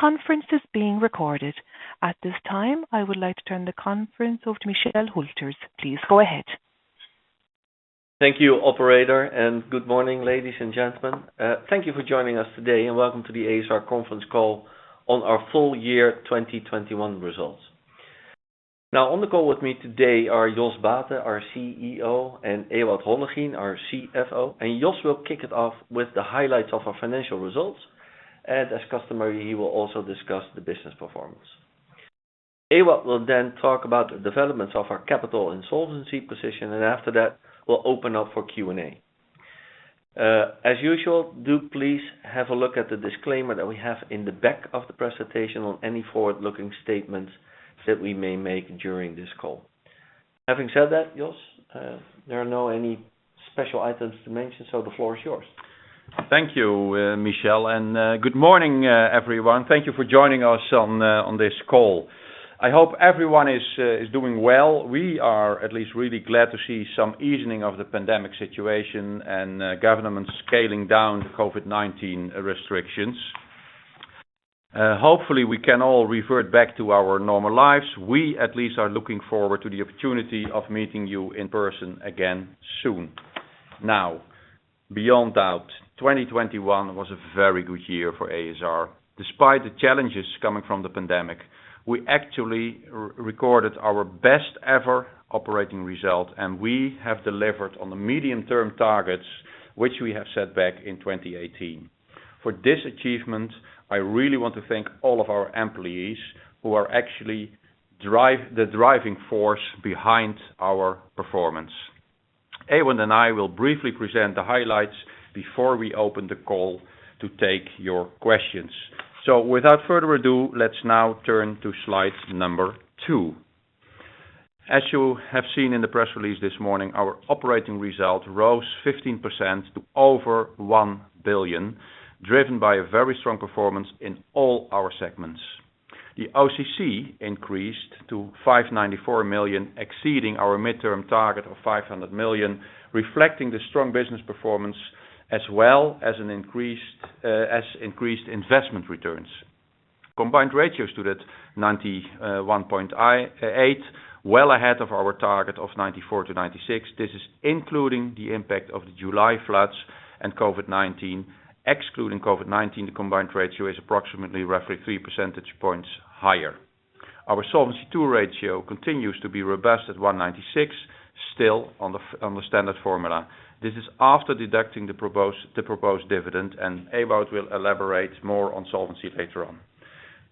Conference is being recorded. At this time, I would like to turn the conference over to Michel Hülters. Please go ahead. Thank you, operator, and good morning, ladies and gentlemen. Thank you for joining us today and welcome to the ASR conference call on our full year 2021 results. Now on the call with me today are Jos Baeten, our CEO, and Ewout Hollegien, our CFO. Jos will kick it off with the highlights of our financial results. As customary, he will also discuss the business performance. Ewout will then talk about the developments of our capital and solvency position, and after that, we'll open up for Q&A. As usual, do please have a look at the disclaimer that we have in the back of the presentation on any forward-looking statements that we may make during this call. Having said that, Jos, there are no any special items to mention, so the floor is yours. Thank you, Michel, and good morning, everyone. Thank you for joining us on this call. I hope everyone is doing well. We are at least really glad to see some easing of the pandemic situation and governments scaling down COVID-19 restrictions. Hopefully, we can all revert back to our normal lives. We at least are looking forward to the opportunity of meeting you in person again soon. Now, beyond doubt, 2021 was a very good year for ASR. Despite the challenges coming from the pandemic, we actually recorded our best ever operating result, and we have delivered on the medium-term targets which we have set back in 2018. For this achievement, I really want to thank all of our employees who are actually the driving force behind our performance. Ewout and I will briefly present the highlights before we open the call to take your questions. Without further ado, let's now turn to slide two. As you have seen in the press release this morning, our operating result rose 15% to over 1 billion, driven by a very strong performance in all our segments. The OCC increased to 594 million, exceeding our midterm target of 500 million, reflecting the strong business performance as well as increased investment returns. Combined ratios stood at 91.8, well ahead of our target of 94%-96%. This is including the impact of the July floods and COVID-19. Excluding COVID-19, the combined ratio is approximately three percentage points higher. Our Solvency II ratio continues to be robust at 196%, still on the standard formula. This is after deducting the proposed dividend, and Ewout will elaborate more on solvency later on.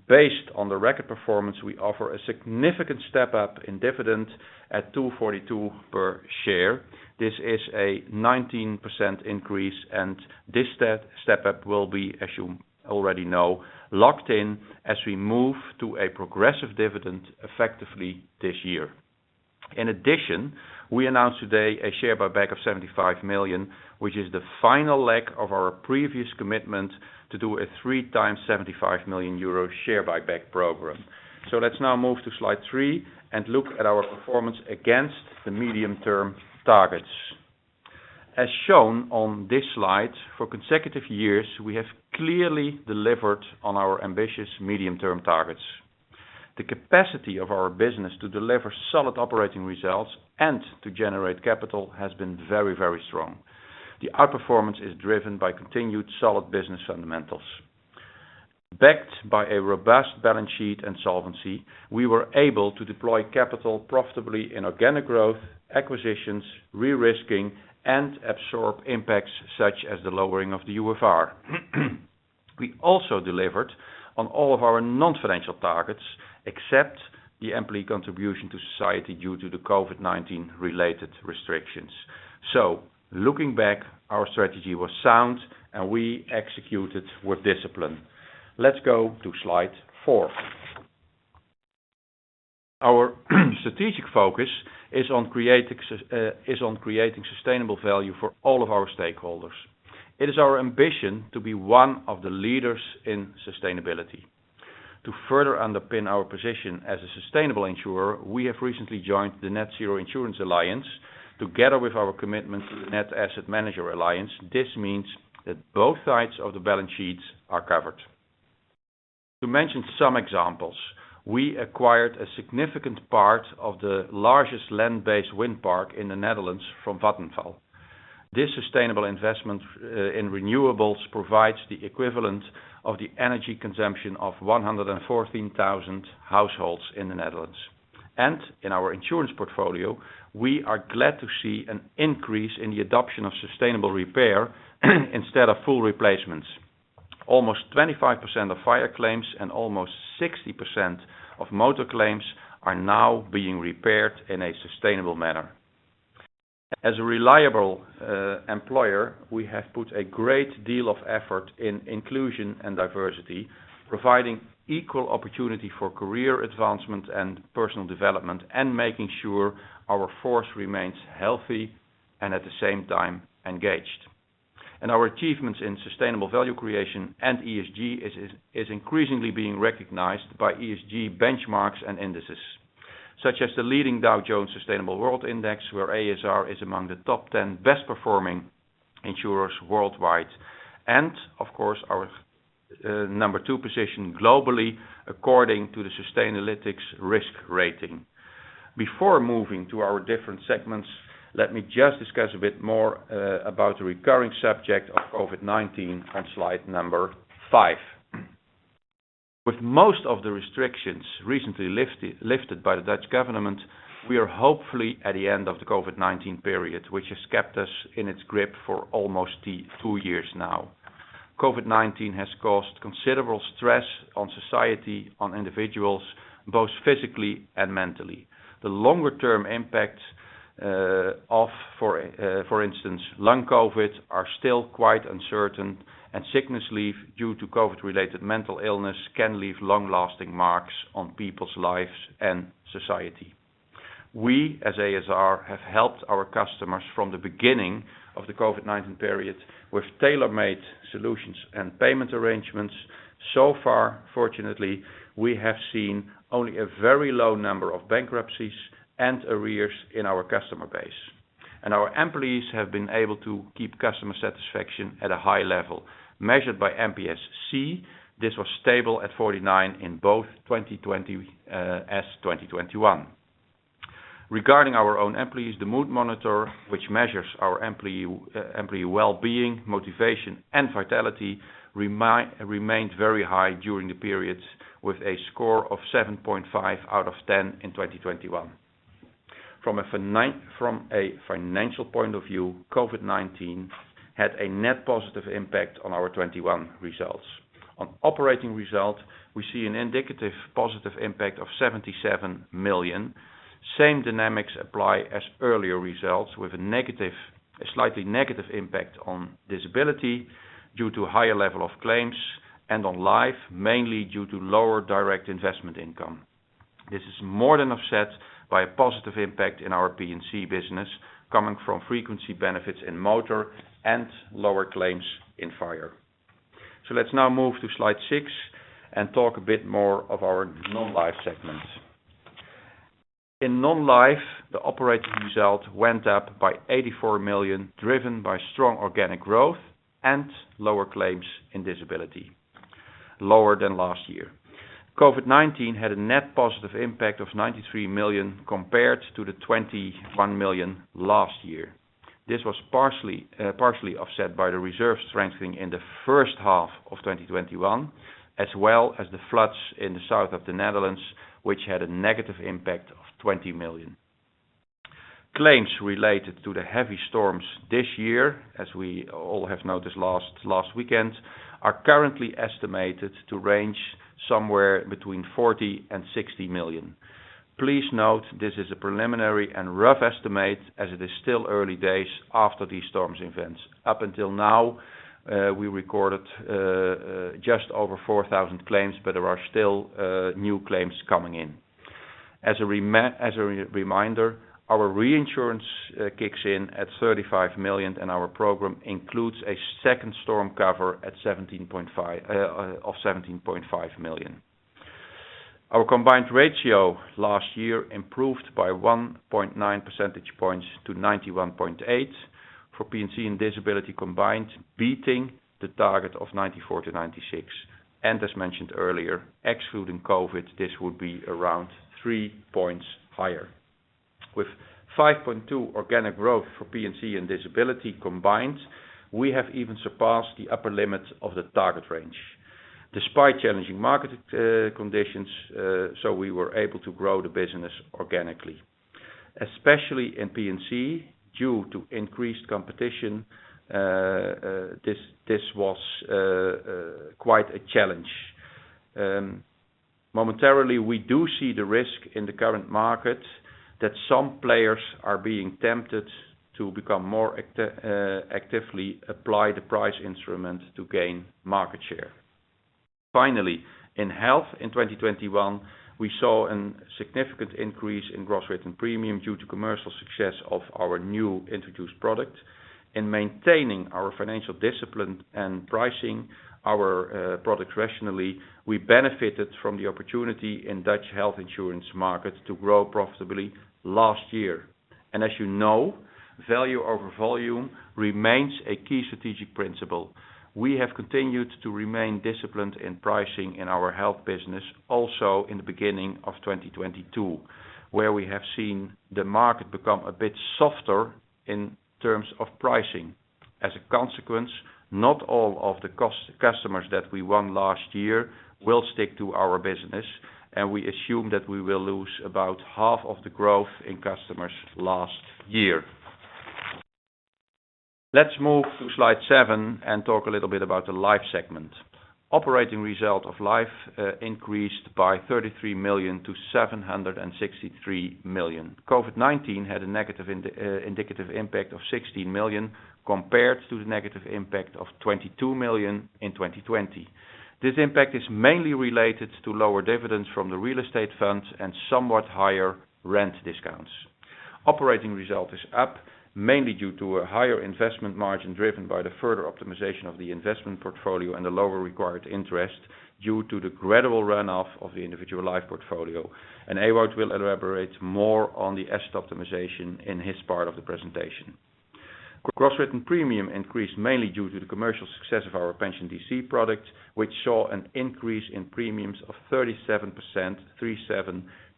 Based on the record performance, we offer a significant step up in dividend at 2.42 per share. This is a 19% increase, and this step up will be, as you already know, locked in as we move to a progressive dividend effectively this year. In addition, we announced today a share buyback of 75 million, which is the final leg of our previous commitment to do a three times 75 million euro share buyback program. Let's now move to slide three and look at our performance against the medium-term targets. As shown on this slide, for consecutive years, we have clearly delivered on our ambitious medium-term targets. The capacity of our business to deliver solid operating results and to generate capital has been very, very strong. The outperformance is driven by continued solid business fundamentals. Backed by a robust balance sheet and solvency, we were able to deploy capital profitably in organic growth, acquisitions, re-risking, and absorb impacts such as the lowering of the UFR. We also delivered on all of our non-financial targets, except the employee contribution to society due to the COVID-19-related restrictions. Looking back, our strategy was sound and we executed with discipline. Let's go to slide four. Our strategic focus is on creating sustainable value for all of our stakeholders. It is our ambition to be one of the leaders in sustainability. To further underpin our position as a sustainable insurer, we have recently joined the Net-Zero Insurance Alliance together with our commitment to the Net Zero Asset Managers initiative. This means that both sides of the balance sheets are covered. To mention some examples, we acquired a significant part of the largest land-based wind park in the Netherlands from Vattenfall. This sustainable investment in renewables provides the equivalent of the energy consumption of 114,000 households in the Netherlands. In our insurance portfolio, we are glad to see an increase in the adoption of sustainable repair instead of full replacements. Almost 25% of fire claims and almost 60% of motor claims are now being repaired in a sustainable manner. As a reliable employer, we have put a great deal of effort in inclusion and diversity, providing equal opportunity for career advancement and personal development, and making sure our force remains healthy and at the same time engaged. Our achievements in sustainable value creation and ESG is increasingly being recognized by ESG benchmarks and indices. Such as the leading Dow Jones Sustainability World Index, where ASR is among the top 10 best performing insurers worldwide. Of course, our number two position globally according to the Sustainalytics Risk Rating. Before moving to our different segments, let me just discuss a bit more about the recurring subject of COVID-19 on slide number five. With most of the restrictions recently lifted by the Dutch government, we are hopefully at the end of the COVID-19 period, which has kept us in its grip for almost two years now. COVID-19 has caused considerable stress on society, on individuals, both physically and mentally. The longer term impacts of, for instance, long COVID are still quite uncertain, and sickness leave due to COVID related mental illness can leave long-lasting marks on people's lives and society. We, as ASR, have helped our customers from the beginning of the COVID-19 period with tailor-made solutions and payment arrangements. Fortunately, we have seen only a very low number of bankruptcies and arrears in our customer base. Our employees have been able to keep customer satisfaction at a high level. Measured by MPSC, this was stable at 49 in both 2020 and 2021. Regarding our own employees, the mood monitor, which measures our employee wellbeing, motivation, and vitality remained very high during the periods with a score of 7.5 out of 10 in 2021. From a financial point of view, COVID-19 had a net positive impact on our 2021 results. On operating results, we see an indicative positive impact of 77 million. Same dynamics apply as earlier results, with a negative, a slightly negative impact on disability due to higher level of claims and on life, mainly due to lower direct investment income. This is more than offset by a positive impact in our P&C business coming from frequency benefits in motor and lower claims in fire. Let's now move to slide six and talk a bit more of our non-life segment. In non-life, the operating result went up by 84 million, driven by strong organic growth and lower claims and disability lower than last year. COVID-19 had a net positive impact of 93 million compared to the 21 million last year. This was partially offset by the reserve strengthening in the first half of 2021, as well as the floods in the south of the Netherlands, which had a negative impact of 20 million. Claims related to the heavy storms this year, as we all have noticed last weekend, are currently estimated to range somewhere between 40 million and 60 million. Please note this is a preliminary and rough estimate as it is still early days after these storms events. Up until now, we recorded just over 4,000 claims, but there are still new claims coming in. As a reminder, our reinsurance kicks in at 35 million, and our program includes a second storm cover at 17.5 of 17.5 million. Our combined ratio last year improved by 1.9 percentage points to 91.8% for P&C and disability combined, beating the target of 94%-96%. As mentioned earlier, excluding COVID, this would be around three points higher. With 5.2% organic growth for P&C and disability combined, we have even surpassed the upper limits of the target range, despite challenging market conditions, so we were able to grow the business organically. Especially in P&C, due to increased competition, this was quite a challenge. Momentarily, we do see the risk in the current market that some players are being tempted to become more actively apply the price instrument to gain market share. Finally, in health in 2021, we saw a significant increase in gross written premium due to commercial success of our new introduced product. In maintaining our financial discipline and pricing our product rationally, we benefited from the opportunity in Dutch health insurance markets to grow profitably last year. As you know, value over volume remains a key strategic principle. We have continued to remain disciplined in pricing in our health business also in the beginning of 2022, where we have seen the market become a bit softer in terms of pricing. As a consequence, not all of the customers that we won last year will stick to our business, and we assume that we will lose about half of the growth in customers last year. Let's move to slide seven and talk a little bit about the Life segment. Operating result of Life increased by 33 million to 763 million. COVID-19 had a negative indicative impact of 16 million compared to the negative impact of 22 million in 2020. This impact is mainly related to lower dividends from the real estate funds and somewhat higher rent discounts. Operating result is up mainly due to a higher investment margin driven by the further optimization of the investment portfolio and the lower required interest due to the gradual runoff of the individual life portfolio. Ewout will elaborate more on the asset optimization in his part of the presentation. Gross written premium increased mainly due to the commercial success of our pension DC product, which saw an increase in premiums of 37%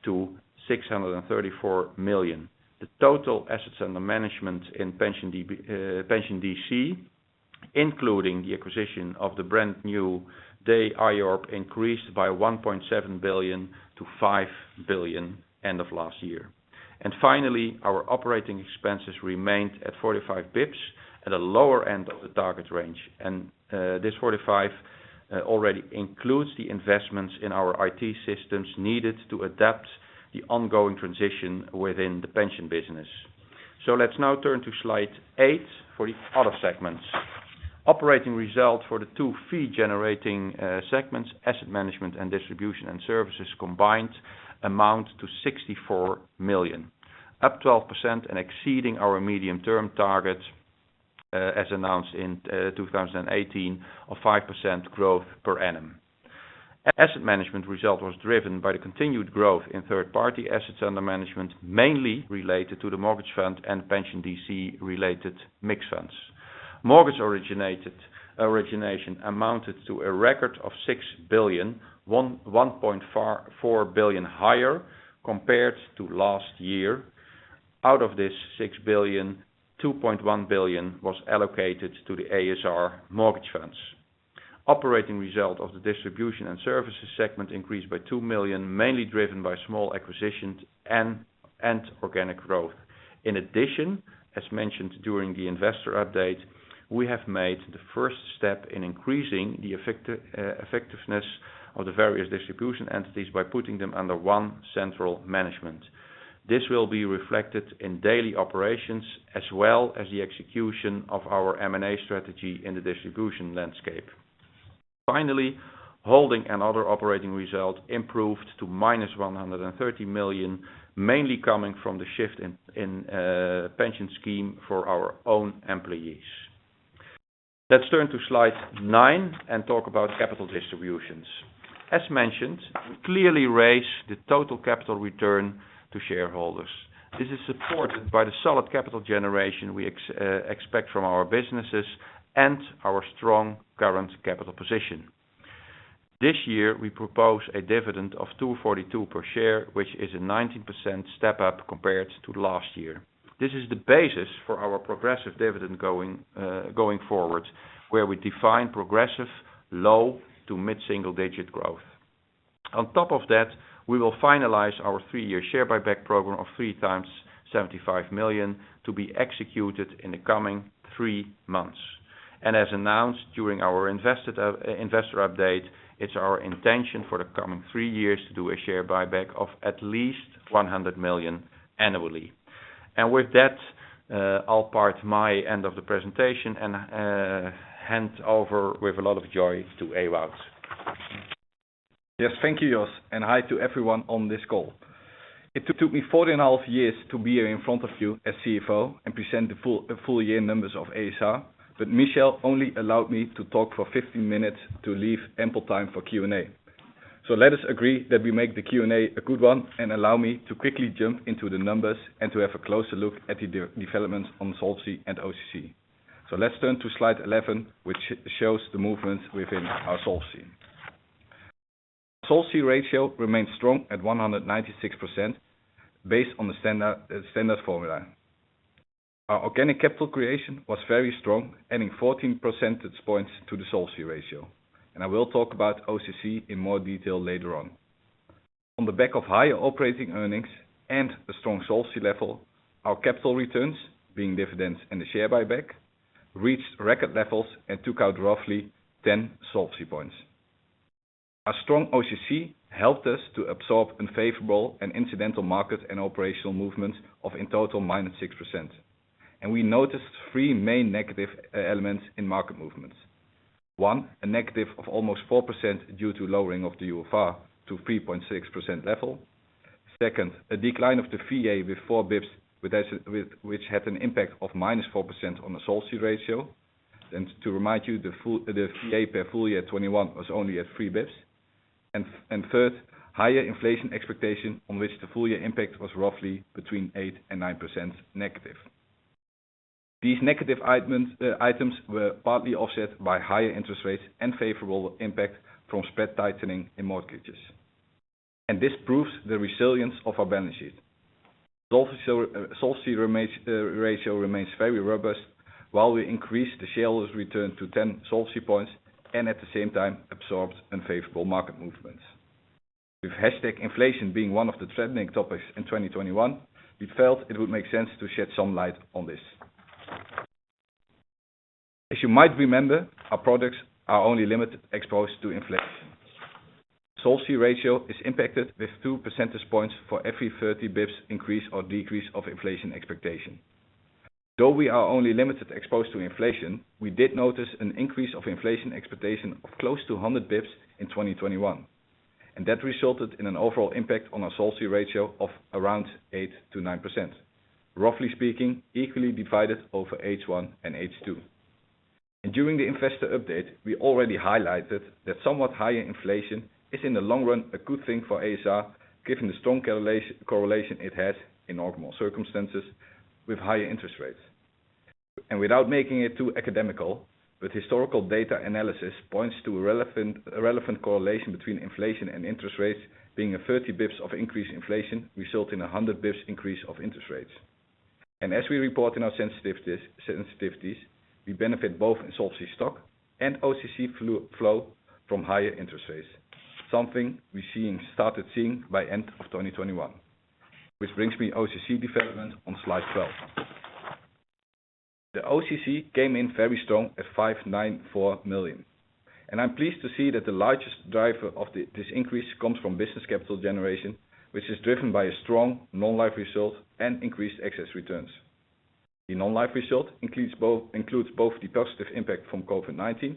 to 634 million. The total assets under management in pension DC, including the acquisition of the Brand New Day IORP, increased by 1.7 billion to 5 billion end of last year. This 45 already includes the investments in our IT systems needed to adapt the ongoing transition within the pension business. Let's now turn to slide eight for the other segments. Operating results for the two fee-generating segments, asset management and distribution and services, combined amount to 64 million, up 12% and exceeding our medium-term target, as announced in 2018 of 5% growth per annum. Asset Management result was driven by the continued growth in third-party assets under management, mainly related to the mortgage fund and pension DC-related mixed funds. Mortgage origination amounted to a record of 6 billion, 4 billion higher compared to last year. Out of this 6 billion, 2.1 billion was allocated to the ASR mortgage funds. Operating result of the distribution and services segment increased by 2 million, mainly driven by small acquisitions and organic growth. In addition, as mentioned during the investor update, we have made the first step in increasing the effectiveness of the various distribution entities by putting them under one central management. This will be reflected in daily operations as well as the execution of our M&A strategy in the distribution landscape. Finally, our holding and other operating result improved to -130 million, mainly coming from the shift in pension scheme for our own employees. Let's turn to slide nine and talk about capital distributions. As mentioned, we clearly raise the total capital return to shareholders. This is supported by the solid capital generation we expect from our businesses and our strong current capital position. This year, we propose a dividend of 2.42 per share, which is a 19% step-up compared to last year. This is the basis for our progressive dividend going forward, where we define progressive low- to mid-single-digit growth. On top of that, we will finalize our three year share buyback program of 3 × 75 million to be executed in the coming three months. As announced during our investor update, it's our intention for the coming three years to do a share buyback of at least 100 million annually. With that, I'll wrap up my part of the presentation and hand over with a lot of joy to Ewout. Yes, thank you, Jos, and hi to everyone on this call. It took me 4.5 years to be here in front of you as CFO and present the full year numbers of ASR, but Michel only allowed me to talk for 15 minutes to leave ample time for Q&A. Let us agree that we make the Q&A a good one and allow me to quickly jump into the numbers and to have a closer look at the developments on Solvency and OCC. Let's turn to slide 11, which shows the movements within our Solvency. Solvency ratio remains strong at 196% based on the standard formula. Our organic capital creation was very strong, adding 14 percentage points to the Solvency ratio. I will talk about OCC in more detail later on. On the back of higher operating earnings and a strong Solvency level, our capital returns, being dividends and the share buyback, reached record levels and took out roughly 10 solvency points. Our strong OCC helped us to absorb unfavorable and incidental market and operational movements of in total -6%. We noticed three main negative elements in market movements. One, a negative of almost 4% due to lowering of the UFR to 3.6% level. Second, a decline of the VA with 4 bps, with which had an impact of -4% on the Solvency ratio. To remind you, the VA per full year 2021 was only at 3 bps. Third, higher inflation expectation on which the full year impact was roughly between 8% and 9% negative. These negative items were partly offset by higher interest rates and favorable impact from spread tightening in mortgages. This proves the resilience of our balance sheet. Solvency ratio remains very robust, while we increase the shareholders' return to 10 solvency points and at the same time absorbed unfavorable market movements. With high inflation being one of the threatening topics in 2021, we felt it would make sense to shed some light on this. As you might remember, our products are only limited exposed to inflation. Solvency ratio is impacted with 2 percentage points for every 30 bps increase or decrease of inflation expectation. Though we are only limited exposed to inflation, we did notice an increase of inflation expectation of close to 100 bps in 2021. That resulted in an overall impact on our solvency ratio of around 8%-9%. Roughly speaking, equally divided over H1 and H2. During the investor update, we already highlighted that somewhat higher inflation is in the long run a good thing for ASR, given the strong correlation it has in normal circumstances with higher interest rates. Without making it too academic, but historical data analysis points to a relevant correlation between inflation and interest rates being a 30 basis points of increased inflation result in a 100 basis points increase of interest rates. As we report in our sensitivities, we benefit both in solvency stock and OCC flow from higher interest rates, something we started seeing by end of 2021, which brings me to OCC development on slide 12. The OCC came in very strong at 594 million, and I'm pleased to see that the largest driver of this increase comes from business capital generation, which is driven by a strong non-life result and increased excess returns. The non-life result includes both the positive impact from COVID-19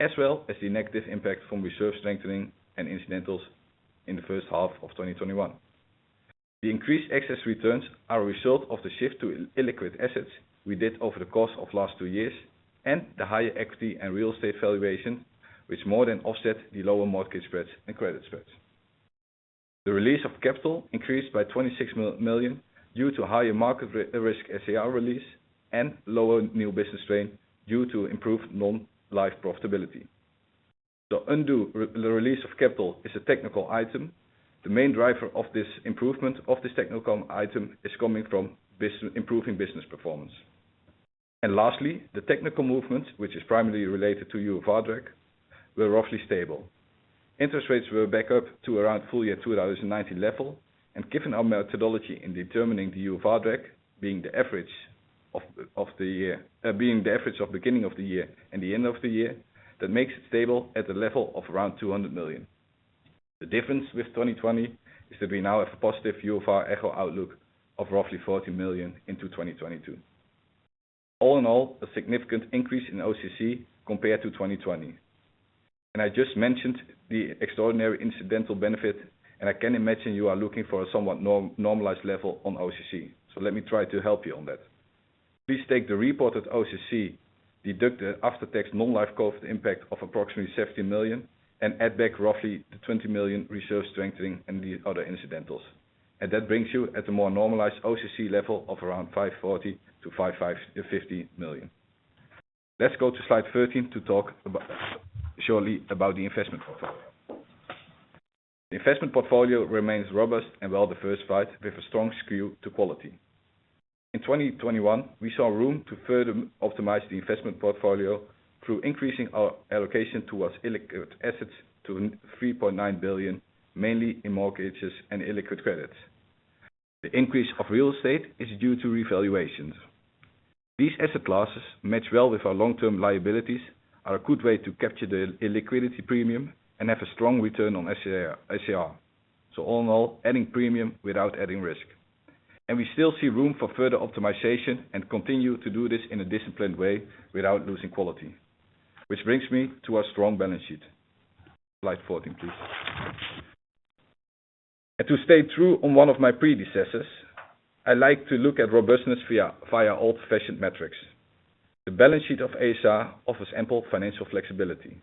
as well as the negative impact from reserve strengthening and incidentals in the first half of 2021. The increased excess returns are a result of the shift to illiquid assets we did over the course of last two years, and the higher equity and real estate valuation, which more than offset the lower mortgage spreads and credit spreads. The release of capital increased by 26 million due to higher market risk SCR release and lower new business strain due to improved non-life profitability. The unwind release of capital is a technical item. The main driver of this improvement of this technical item is coming from business, improving business performance. Lastly, the technical movement, which is primarily related to UFR drag, were roughly stable. Interest rates were back up to around full year 2019 level, and given our methodology in determining the UFR drag, being the average of beginning of the year and the end of the year, that makes it stable at a level of around 200 million. The difference with 2020 is that we now have a positive UFR echo outlook of roughly 40 million into 2022. All in all, a significant increase in OCC compared to 2020. I just mentioned the extraordinary incidental benefit, and I can imagine you are looking for a somewhat more normalized level on OCC, so let me try to help you on that. Please take the reported OCC, deduct the after-tax non-life COVID impact of approximately 70 million and add back roughly the 20 million reserve strengthening and the other incidentals. That brings you to a more normalized OCC level of around 540 million-550 million. Let's go to slide 13 to talk shortly about the investment portfolio. Investment portfolio remains robust and well-diversified with a strong skew to quality. In 2021, we saw room to further optimize the investment portfolio through increasing our allocation towards illiquid assets to 3.9 billion, mainly in mortgages and illiquid credits. The increase of real estate is due to revaluations. These asset classes match well with our long-term liabilities, are a good way to capture the illiquidity premium, and have a strong return on SCR. All in all, adding premium without adding risk. We still see room for further optimization and continue to do this in a disciplined way without losing quality. Which brings me to our strong balance sheet. Slide 14, please. To stay true on one of my predecessors, I like to look at robustness via old-fashioned metrics. The balance sheet of ASR offers ample financial flexibility.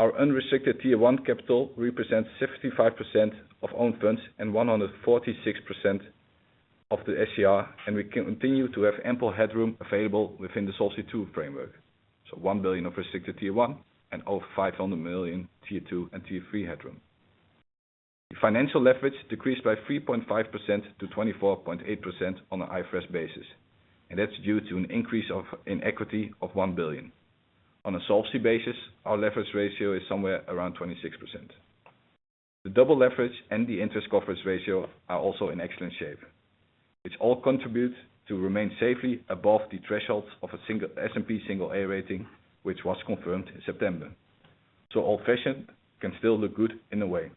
Our unrestricted Tier 1 capital represents 65% of own funds and 100% of the SCR, and we continue to have ample headroom available within the Solvency II framework. One billion of restricted Tier 1 and over 500 million Tier 2 and Tier 3 headroom. The financial leverage decreased by 3.5% to 24.8% on an IFRS basis, and that's due to an increase in equity of 1 billion. On a solvency basis, our leverage ratio is somewhere around 26%. The double leverage and the interest coverage ratio are also in excellent shape. Which all contributes to remain safely above the thresholds of S&P single A rating, which was confirmed in September. Old-fashioned can still look good in a way.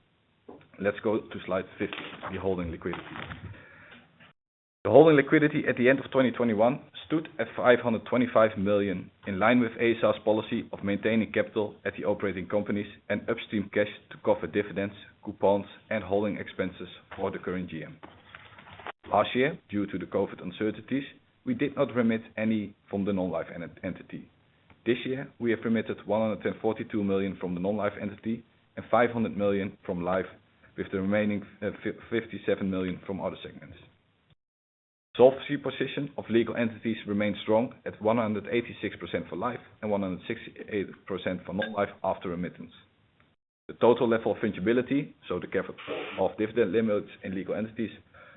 Let's go to slide 15, the holding liquidity. The holding liquidity at the end of 2021 stood at 525 million, in line with ASR's policy of maintaining capital at the operating companies and upstream cash to cover dividends, coupons, and holding expenses for the current GM. Last year, due to the COVID uncertainties, we did not remit any from the non-life entity. This year, we have remitted 142 million from the non-life entity and 500 million from life, with the remaining 57 million from other segments. Solvency position of legal entities remains strong at 186% for life and 168% for non-life after remittance. The total level of fetchability, so the cover of dividend limits in legal entities,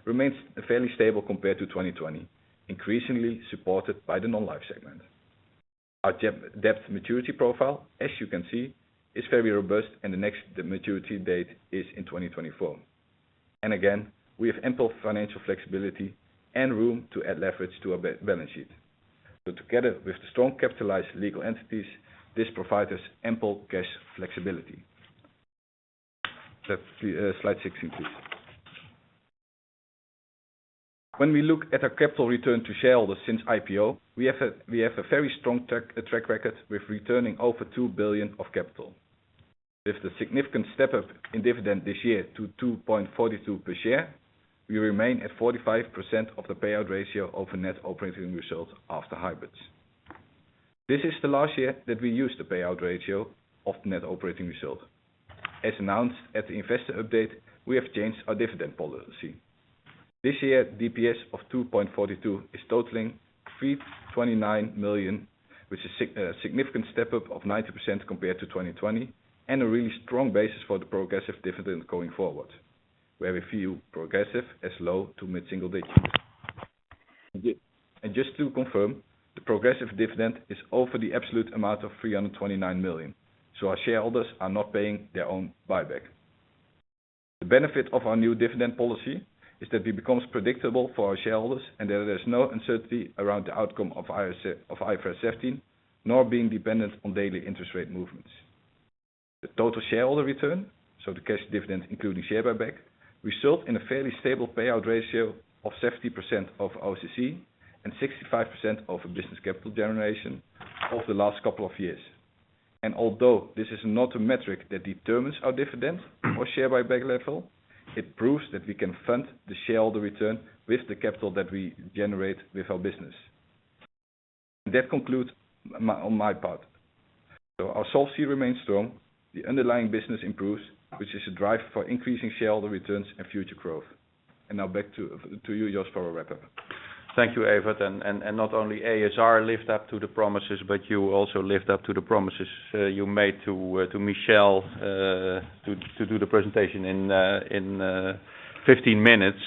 remains fairly stable compared to 2020, increasingly supported by the non-life segment. Our debt maturity profile, as you can see, is very robust and the next maturity date is in 2024. Again, we have ample financial flexibility and room to add leverage to our balance sheet. Together with the strong capitalized legal entities, this provides us ample cash flexibility. That's the slide 16, please. When we look at our capital return to shareholders since IPO, we have a very strong track record with returning over 2 billion of capital. With the significant step up in dividend this year to 2.42 EUR per share, we remain at 45% of the payout ratio of the net operating results after hybrids. This is the last year that we use the payout ratio of net operating results. As announced at the investor update, we have changed our dividend policy. This year, DPS of 2.42 is totaling 329 million, which is significant step up of 90% compared to 2020, and a really strong basis for the progressive dividend going forward, where we view progressive as low to mid-single digits. Just to confirm, the progressive dividend is over the absolute amount of 329 million, so our shareholders are not paying their own buyback. The benefit of our new dividend policy is that it becomes predictable for our shareholders and that there is no uncertainty around the outcome of IFRS 17, nor being dependent on daily interest rate movements. The total shareholder return, so the cash dividend including share buyback, result in a fairly stable payout ratio of 60% of OCC and 65% of business capital generation over the last couple of years. Although this is not a metric that determines our dividend or share buyback level, it proves that we can fund the shareholder return with the capital that we generate with our business. That concludes my, on my part. Our solvency remains strong, the underlying business improves, which is a drive for increasing shareholder returns and future growth. Now back to you, Jos, for a wrap-up. Thank you, Ewout. Not only ASR lived up to the promises, but you also lived up to the promises you made to Michel to do the presentation in 15 minutes.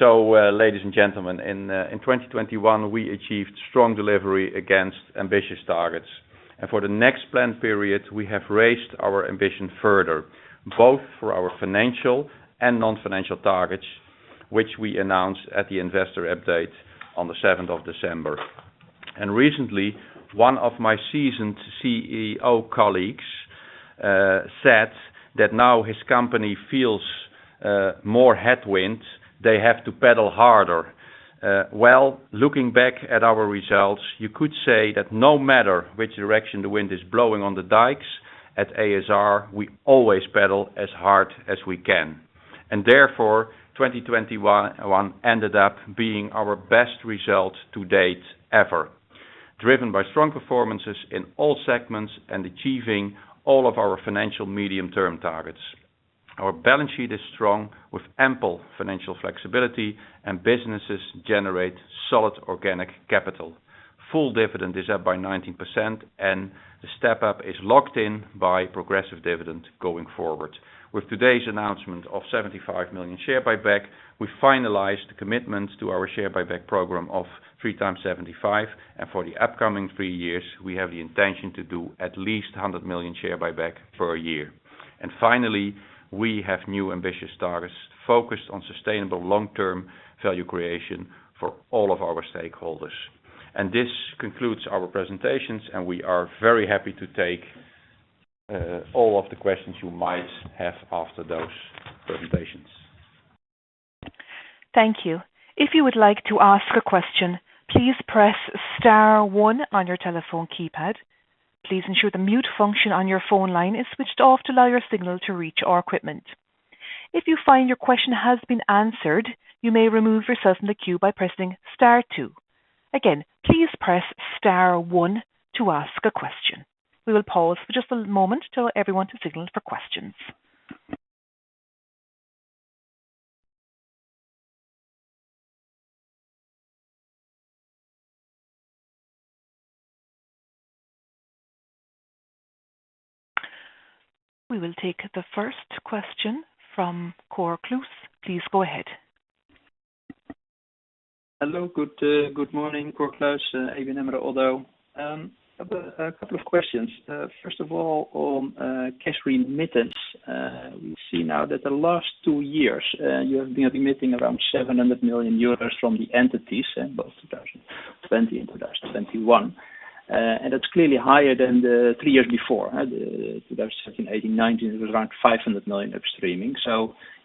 Ladies and gentlemen, in 2021, we achieved strong delivery against ambitious targets. For the next planned period, we have raised our ambition further, both for our financial and non-financial targets, which we announced at the investor update on the seventh of December. Recently, one of my seasoned CEO colleagues said that now his company feels more headwind, they have to pedal harder. Well, looking back at our results, you could say that no matter which direction the wind is blowing on the dikes, at ASR, we always pedal as hard as we can. Therefore, 2021 ended up being our best result to date ever, driven by strong performances in all segments and achieving all of our financial medium-term targets. Our balance sheet is strong with ample financial flexibility, and businesses generate solid organic capital. Full dividend is up by 19%, and the step up is locked in by progressive dividend going forward. With today's announcement of 75 million share buyback, we finalized the commitment to our share buyback program of 3 times 75. For the upcoming three years, we have the intention to do at least 100 million share buyback per year. Finally, we have new ambitious targets focused on sustainable long-term value creation for all of our stakeholders. This concludes our presentations, and we are very happy to take all of the questions you might have after those presentations. Thank you. If you would like to ask a question, please press star one on your telephone keypad. Please ensure the mute function on your phone line is switched off to allow your signal to reach our equipment. If you find your question has been answered, you may remove yourself from the queue by pressing star two. Again, please press star one to ask a question. We will pause for just a moment to allow everyone to signal for questions. We will take the first question from Cor Kluis. Please go ahead. Hello. Good morning. Cor Kluis, ABN AMRO. A couple of questions. First of all, on cash remittance. We see now that the last two years, you have been remitting around 700 million euros from the entities in both 2020 and 2021. It's clearly higher than the three years before. 2018, 2019, it was around 500 million upstreaming.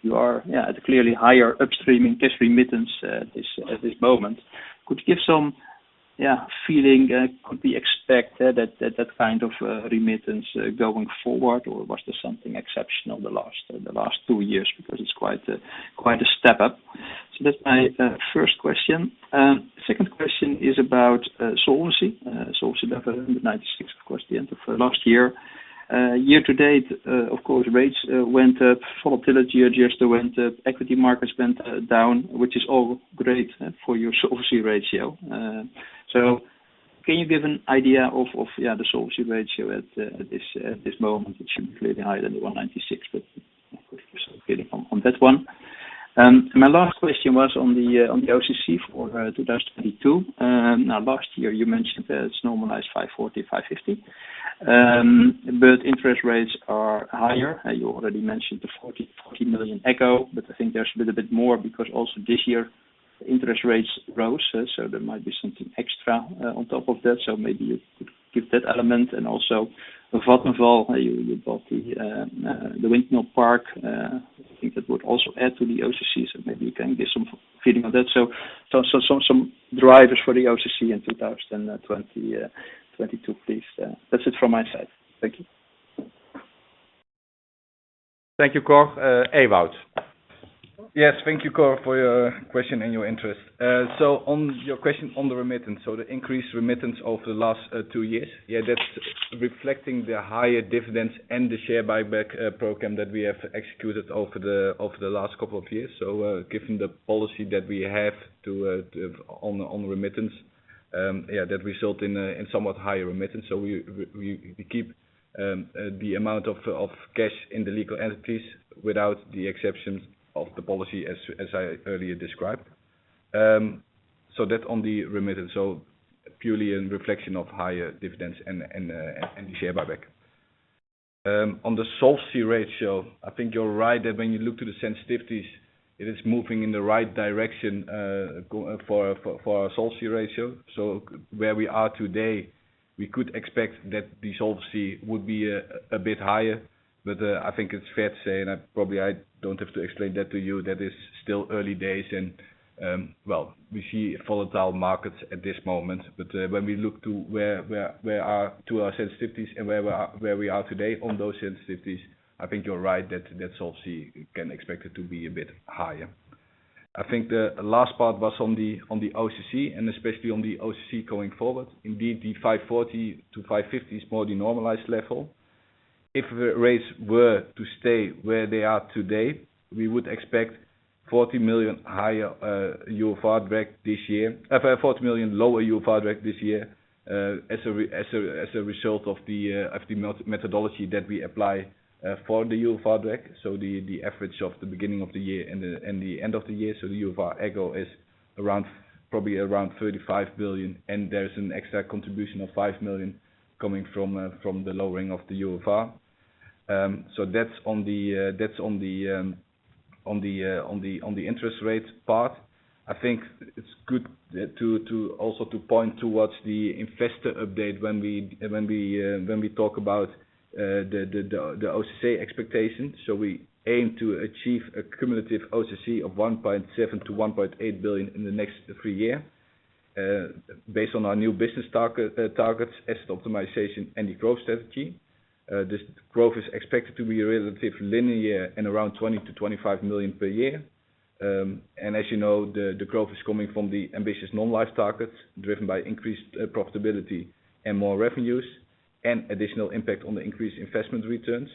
You are at a clearly higher upstream in cash remittance at this moment. Could give some feeling, could we expect that kind of remittance going forward? Or was there something exceptional the last two years? Because it's quite a step up. That's my first question. Second question is about solvency. Solvency level in the 196, of course, the end of last year. Year-to-date, of course, rates went up, volatility adjusted went up, equity markets went down, which is all great for your solvency ratio. Can you give an idea of the solvency ratio at this moment? It should be clearly higher than the 196, but give us a feeling on that one. My last question was on the OCC for 2022. Now last year you mentioned that it's normalized 540-550. Interest rates are higher. You already mentioned the 40 million, but I think there should be a bit more because also this year, interest rates rose, so there might be something extra on top of that. Maybe you could give that element. With Vattenfall, you bought the windmill park. I think that would also add to the OCC, so maybe you can give some feeling on that. Some drivers for the OCC in 2022, please. That's it from my side. Thank you. Thank you, Cor. Ewout. Yes, thank you, Cor, for your question and your interest. On your question on the remittance, the increased remittance over the last two years, yeah, that's reflecting the higher dividends and the share buyback program that we have executed over the last couple of years. Given the policy that we have on remittance, yeah, that result in somewhat higher remittance. We keep the amount of cash in the legal entities without the exception of the policy as I earlier described. That's on the remittance, purely a reflection of higher dividends and share buyback. On the Solvency ratio, I think you're right that when you look to the sensitivities, it is moving in the right direction for our Solvency ratio. Where we are today, we could expect that the Solvency would be a bit higher. I think it's fair to say, and I probably don't have to explain that to you, that it's still early days and well, we see volatile markets at this moment. When we look to our sensitivities and where we are today on those sensitivities, I think you're right that that Solvency can expect it to be a bit higher. I think the last part was on the OCC, and especially on the OCC going forward. Indeed, the 540-550 is more the normalized level. If the rates were to stay where they are today, we would expect 40 million euro higher UFR back this year. Forty million lower UFR back this year, as a result of the methodology that we apply for the UFR. The average of the beginning of the year and the end of the year. The UFR effect is around 35 billion, and there is an extra contribution of 5 million coming from the lowering of the UFR. That's on the interest rate part. I think it's good to also point towards the investor update when we talk about the OCC expectations. We aim to achieve a cumulative OCC of 1.7 billion-1.8 billion in the next three years, based on our new business targets, asset optimization and the growth strategy. This growth is expected to be relatively linear and around 20 million-25 million per year. As you know, the growth is coming from the ambitious non-life targets driven by increased profitability and more revenues and additional impact on the increased investment returns.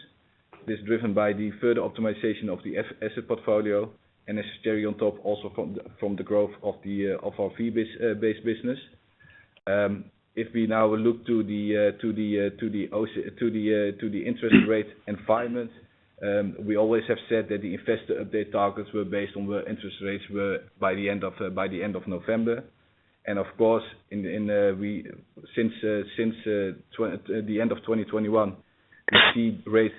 This is driven by the further optimization of the fixed-asset portfolio and, necessarily, on top also from the growth of our fee-based business. If we now look to the interest rate environment, we always have said that the investor update targets were based on where interest rates were by the end of November. Of course, since the end of 2021, we see rates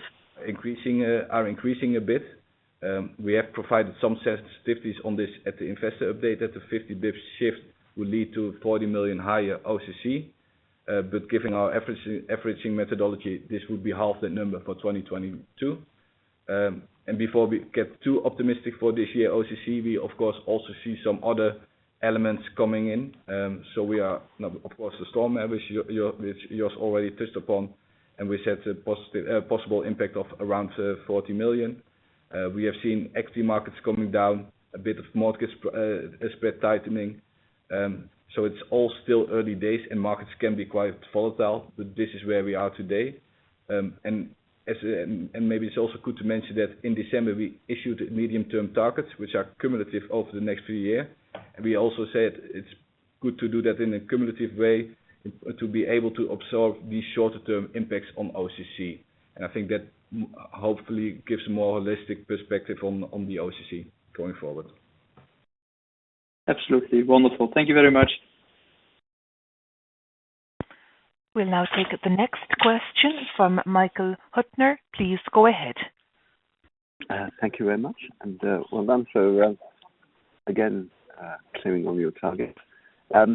increasing a bit. We have provided some sensitivities on this at the investor update that the 50 bps shift will lead to 40 million higher OCC. But given our averaging methodology, this would be half that number for 2022. Before we get too optimistic for this year OCC, we of course also see some other elements coming in. We are now of course the storm average year, which Jos already touched upon, and we set a positive possible impact of around 40 million. We have seen equity markets coming down, a bit of mortgage spread tightening. It's all still early days and markets can be quite volatile, but this is where we are today. Maybe it's also good to mention that in December we issued medium-term targets, which are cumulative over the next three years. We also said it's good to do that in a cumulative way to be able to absorb these shorter-term impacts on OCC. I think that hopefully gives more holistic perspective on the OCC going forward. Absolutely. Wonderful. Thank you very much. We'll now take the next question from Michael Huttner. Please go ahead. Thank you very much. Well done. Again, clearing all your targets. I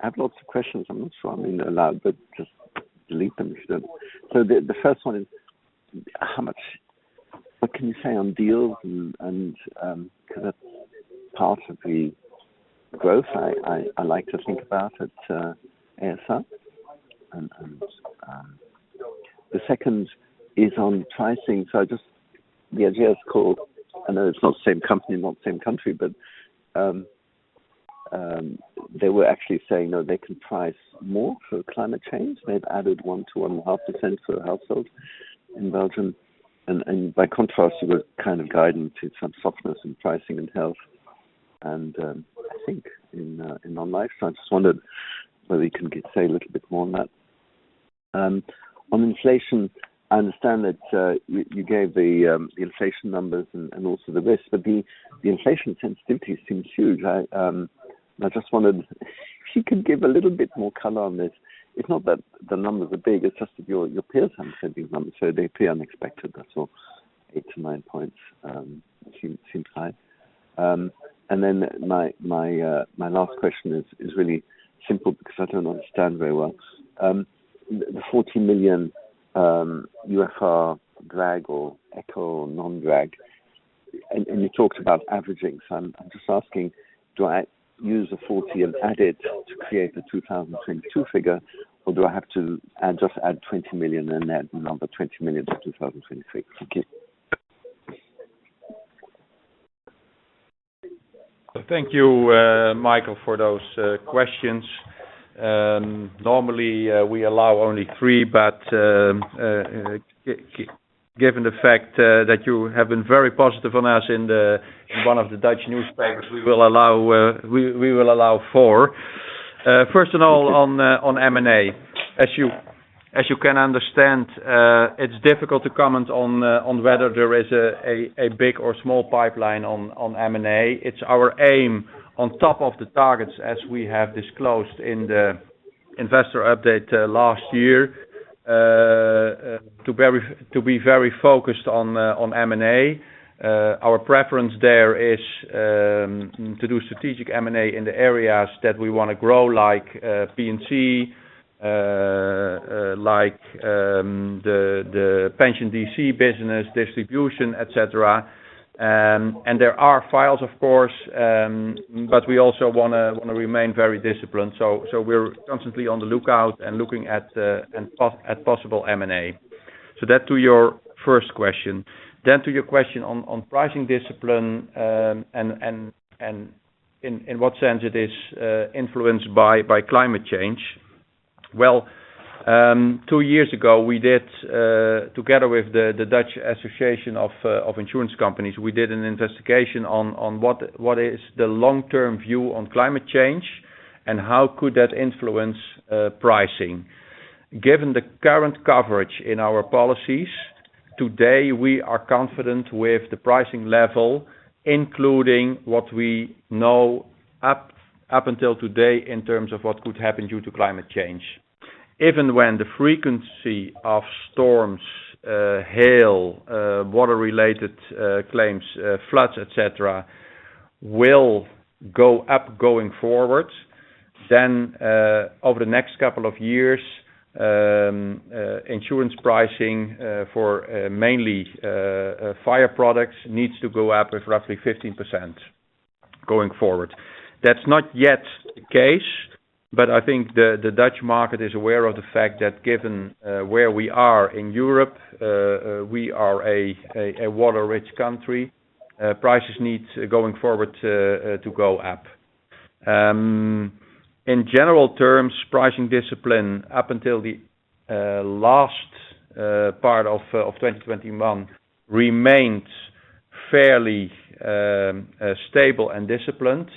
have lots of questions. I'm not sure I'm allowed, but just delete them if you don't. The first one is what can you say on deals and 'cause that's part of the growth I like to think about at ASR. The second is on pricing. I just the idea is called. I know it's not the same company, not the same country, but they were actually saying that they can price more for climate change. They've added 1%-1.5% for households in Belgium. By contrast, you were kind of guiding to some softness in pricing and health and I think in non-life. I just wondered whether you can say a little bit more on that. On inflation, I understand that you gave the inflation numbers and also the risk, but the inflation sensitivity seems huge. I just wondered if you could give a little bit more color on this. It's not that the numbers are big, it's just that your peers aren't sending numbers, so they appear unexpected, that's all. 8-9 points seem high. And then my last question is really simple because I don't understand very well. The 40 million UFR drag or echo or non-drag. And you talked about averaging. I'm just asking, do I use the 40 and add it to create the 2022 figure, or do I have to add, just add 20 million and add the number 20 million to 2023? Thank you. Thank you, Michael, for those questions. Normally, we allow only three, but given the fact that you have been very positive on us in one of the Dutch newspapers, we will allow four. First of all, on M&A. As you can understand, it's difficult to comment on whether there is a big or small pipeline on M&A. It's our aim on top of the targets as we have disclosed in the investor update last year to be very focused on M&A. Our preference there is to do strategic M&A in the areas that we wanna grow, like P&C, like the Pension DC business, distribution, et cetera. There are files, of course, but we also wanna remain very disciplined. We're constantly on the lookout and looking at possible M&A. To your first question. To your question on pricing discipline, and in what sense it is influenced by climate change. Two years ago, we did together with the Dutch Association of Insurers, we did an investigation on what is the long-term view on climate change, and how could that influence pricing. Given the current coverage in our policies, today, we are confident with the pricing level, including what we know up until today in terms of what could happen due to climate change. Even when the frequency of storms, hail, water-related claims, floods, et cetera, will go up going forward, then, over the next couple of years, insurance pricing for mainly fire products needs to go up with roughly 15% going forward. That's not yet the case, but I think the Dutch market is aware of the fact that given where we are in Europe, we are a water-rich country, prices need going forward to go up. In general terms, pricing discipline up until the last part of 2021 remained fairly stable and disciplined.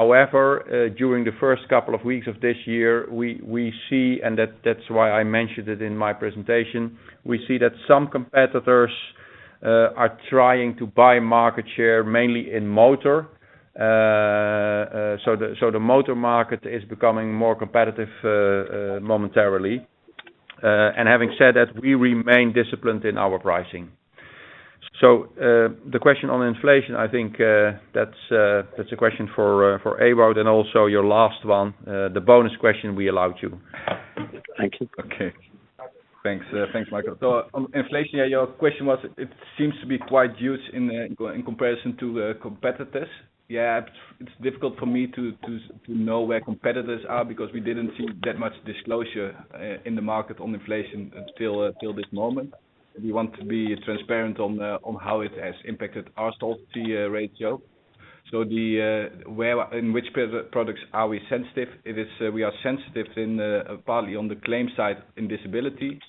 However, during the first couple of weeks of this year, we see, and that's why I mentioned it in my presentation. We see that some competitors are trying to buy market share mainly in motor. The motor market is becoming more competitive momentarily. Having said that, we remain disciplined in our pricing. The question on inflation, I think, that's a question for Ewout and also your last one, the bonus question we allowed you. Thank you. Okay. Thanks. Thanks, Michael. On inflation, yeah, your question was it seems to be quite huge in comparison to competitors. Yeah, it's difficult for me to know where competitors are because we didn't see that much disclosure in the market on inflation until this moment. We want to be transparent on how it has impacted our solvency ratio. In which products are we sensitive? We are sensitive partly on the claim side in disability.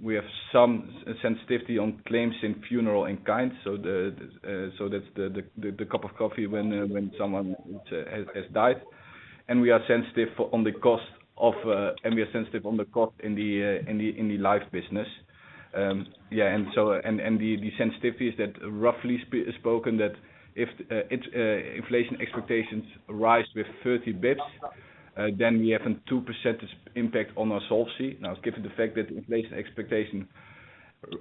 We have some sensitivity on claims in funeral in kind. That's the cup of coffee when someone has died. We are sensitive on the cost in the life business. The sensitivity is that roughly speaking, if inflation expectations rise with 30 basis points, then we have a 2% impact on our solvency. Given the fact that inflation expectation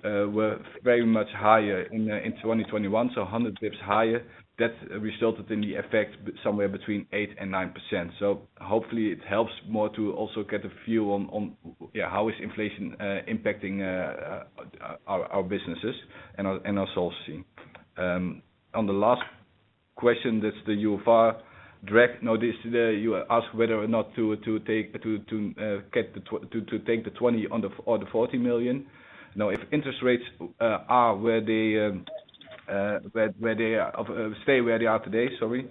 were very much higher in 2021, 100 basis points higher, that resulted in the effect somewhere between 8% and 9%. Hopefully it helps more to also get a view on how inflation is impacting our businesses and our solvency. On the last question, that's the UFR drag. You ask whether or not to take the 20 on the fee or the 40 million. Now, if interest rates stay where they are today, sorry,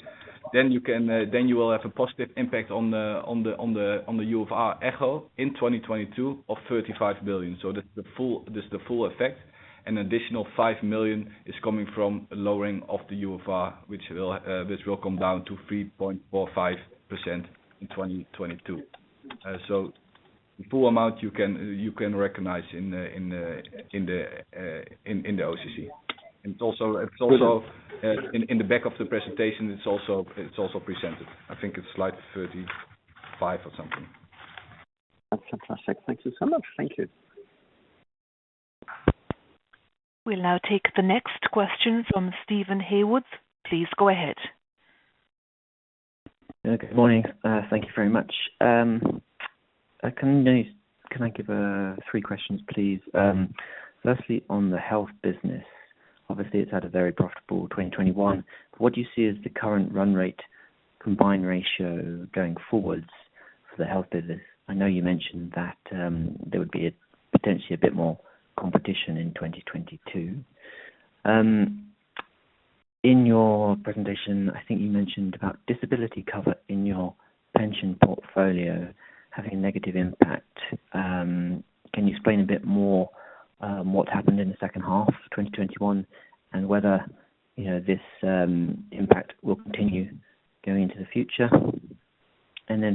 then you will have a positive impact on the UFR effect in 2022 of 35 billion. That's the full effect, and additional 5 million is coming from a lowering of the UFR, which will come down to 3.45% in 2022. The full amount you can recognize in the OCC. It's also in the back of the presentation. It's also presented. I think it's slide 35 or something. That's fantastic. Thank you so much. Thank you. We'll now take the next question from Steven Haywood. Please go ahead. Good morning. Thank you very much. Can I ask three questions, please? Firstly, on the health business, obviously it's had a very profitable 2021. What do you see as the current run rate combined ratio going forwards for the health business? I know you mentioned that there would be potentially a bit more competition in 2022. In your presentation, I think you mentioned about disability cover in your pension portfolio having a negative impact. Can you explain a bit more what happened in the second half of 2021, and whether, you know, this impact will continue going into the future?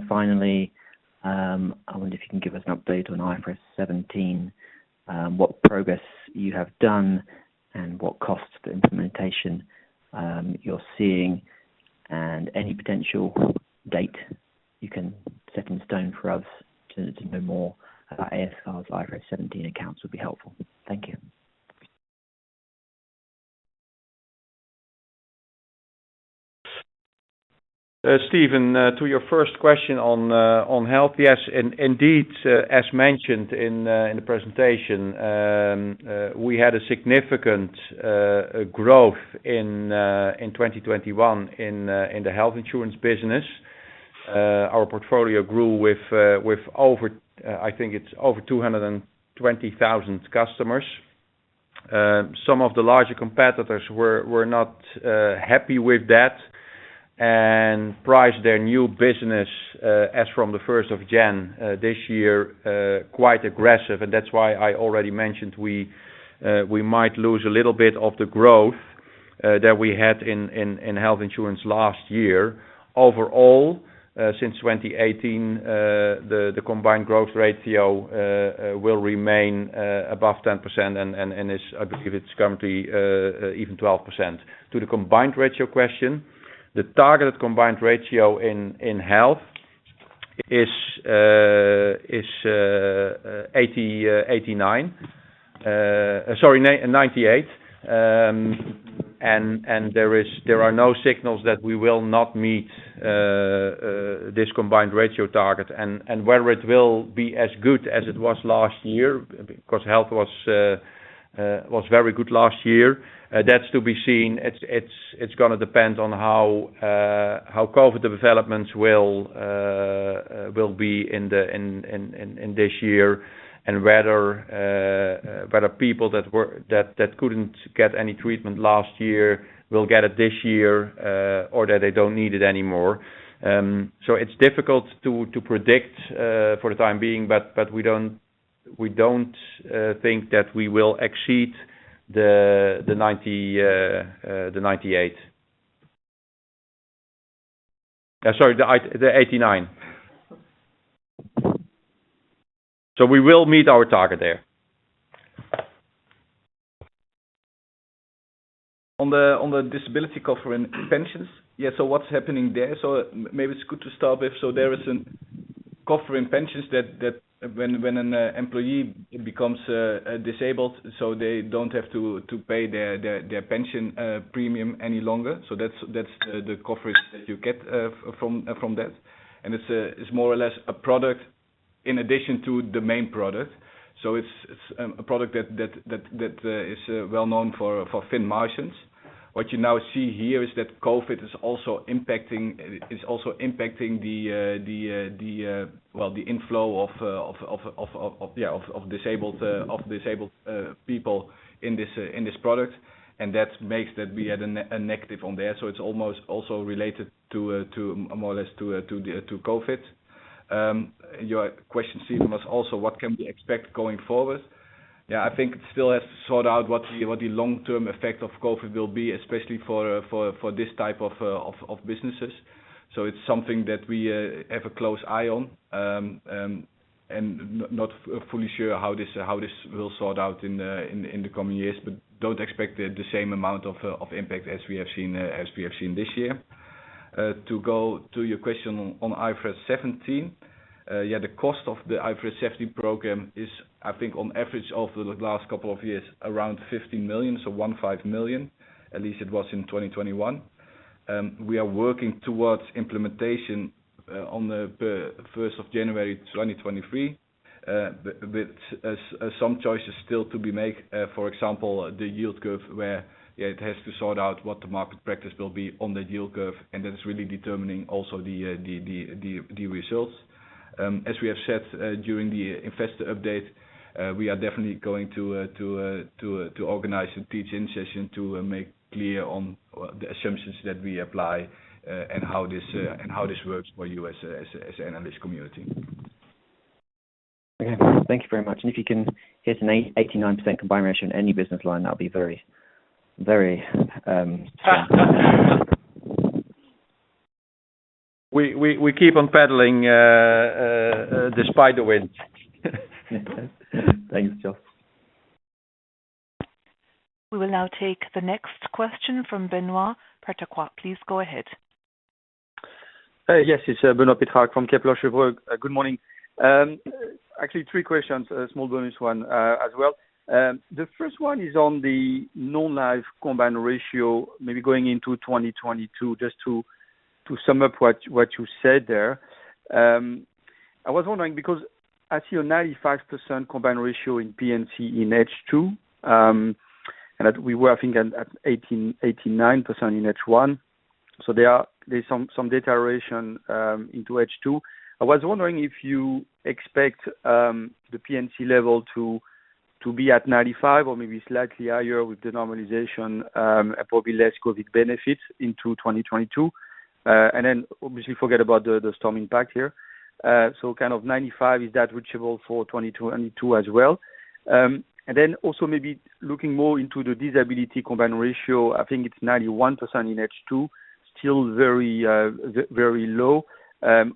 Finally, I wonder if you can give us an update on IFRS 17, what progress you have done and what costs for implementation you're seeing, and any potential date you can set in stone for us to know more about ASR's IFRS 17 accounts would be helpful. Thank you. Steven, to your first question on health. Yes. Indeed, as mentioned in the presentation, we had a significant growth in 2021 in the health insurance business. Our portfolio grew with over, I think it's over 220,000 customers. Some of the larger competitors were not happy with that and priced their new business as from the first of January this year quite aggressive. That's why I already mentioned we might lose a little bit of the growth that we had in health insurance last year. Overall, since 2018, the combined growth ratio will remain above 10%, and is—I believe it's currently even 12%. To the combined ratio question, the targeted combined ratio in health is 98%. There are no signals that we will not meet this combined ratio target. Whether it will be as good as it was last year, because health was very good last year. That's to be seen. It's gonna depend on how COVID developments will be in this year and whether people that couldn't get any treatment last year will get it this year or that they don't need it anymore. It's difficult to predict for the time being. We don't think that we will exceed the 98%. Sorry, the 89. We will meet our target there. On the disability cover and pensions. Yeah. What's happening there? Maybe it's good to start with. There is a cover in pensions that when an employee becomes disabled, they don't have to pay their pension premium any longer. That's the coverage that you get from that. It's more or less a product in addition to the main product. It's a product that is well known for thin margins. What you now see here is that COVID is also impacting the inflow of disabled people in this product. That makes we had a negative on there. It's almost also related to more or less to COVID. Your question, Steven, was also what can we expect going forward? Yeah, I think it still has to sort out what the long-term effect of COVID will be, especially for this type of businesses. It's something that we have a close eye on. And not fully sure how this will sort out in the coming years. Don't expect the same amount of impact as we have seen this year. To go to your question on IFRS 17. The cost of the IFRS 17 program is, I think, on average over the last couple of years, around 15 million, so 15 million, at least it was in 2021. We are working towards implementation on the first of January 2023. With some choices still to be made. For example, the yield curve, where it has to sort out what the market practice will be on the yield curve, and that is really determining also the results. As we have said during the investor update, we are definitely going to organize a teach-in session to make clear on the assumptions that we apply, and how this works for you as an analyst community. Okay. Thank you very much. If you can hit an 89% combined ratio in any business line, that'll be very, very. We keep on pedaling despite the wind. Thanks, Jos. We will now take the next question from Benoit Pétrarque. Please go ahead. Yes, it's Benoit Pétrarque from Kepler Cheuvreux. Good morning. Actually three questions, a small bonus one as well. The first one is on the non-life combined ratio, maybe going into 2022, just to sum up what you said there. I was wondering because I see a 95% combined ratio in P&C in H2, and that we were I think at 89% in H1. There's some deterioration into H2. I was wondering if you expect the P&C level to be at 95% or maybe slightly higher with the normalization, probably less COVID benefits into 2022. Obviously forget about the storm impact here. Kind of 95%, is that reachable for 2022 as well? Also maybe looking more into the disability combined ratio. I think it's 91% in H2, still very low.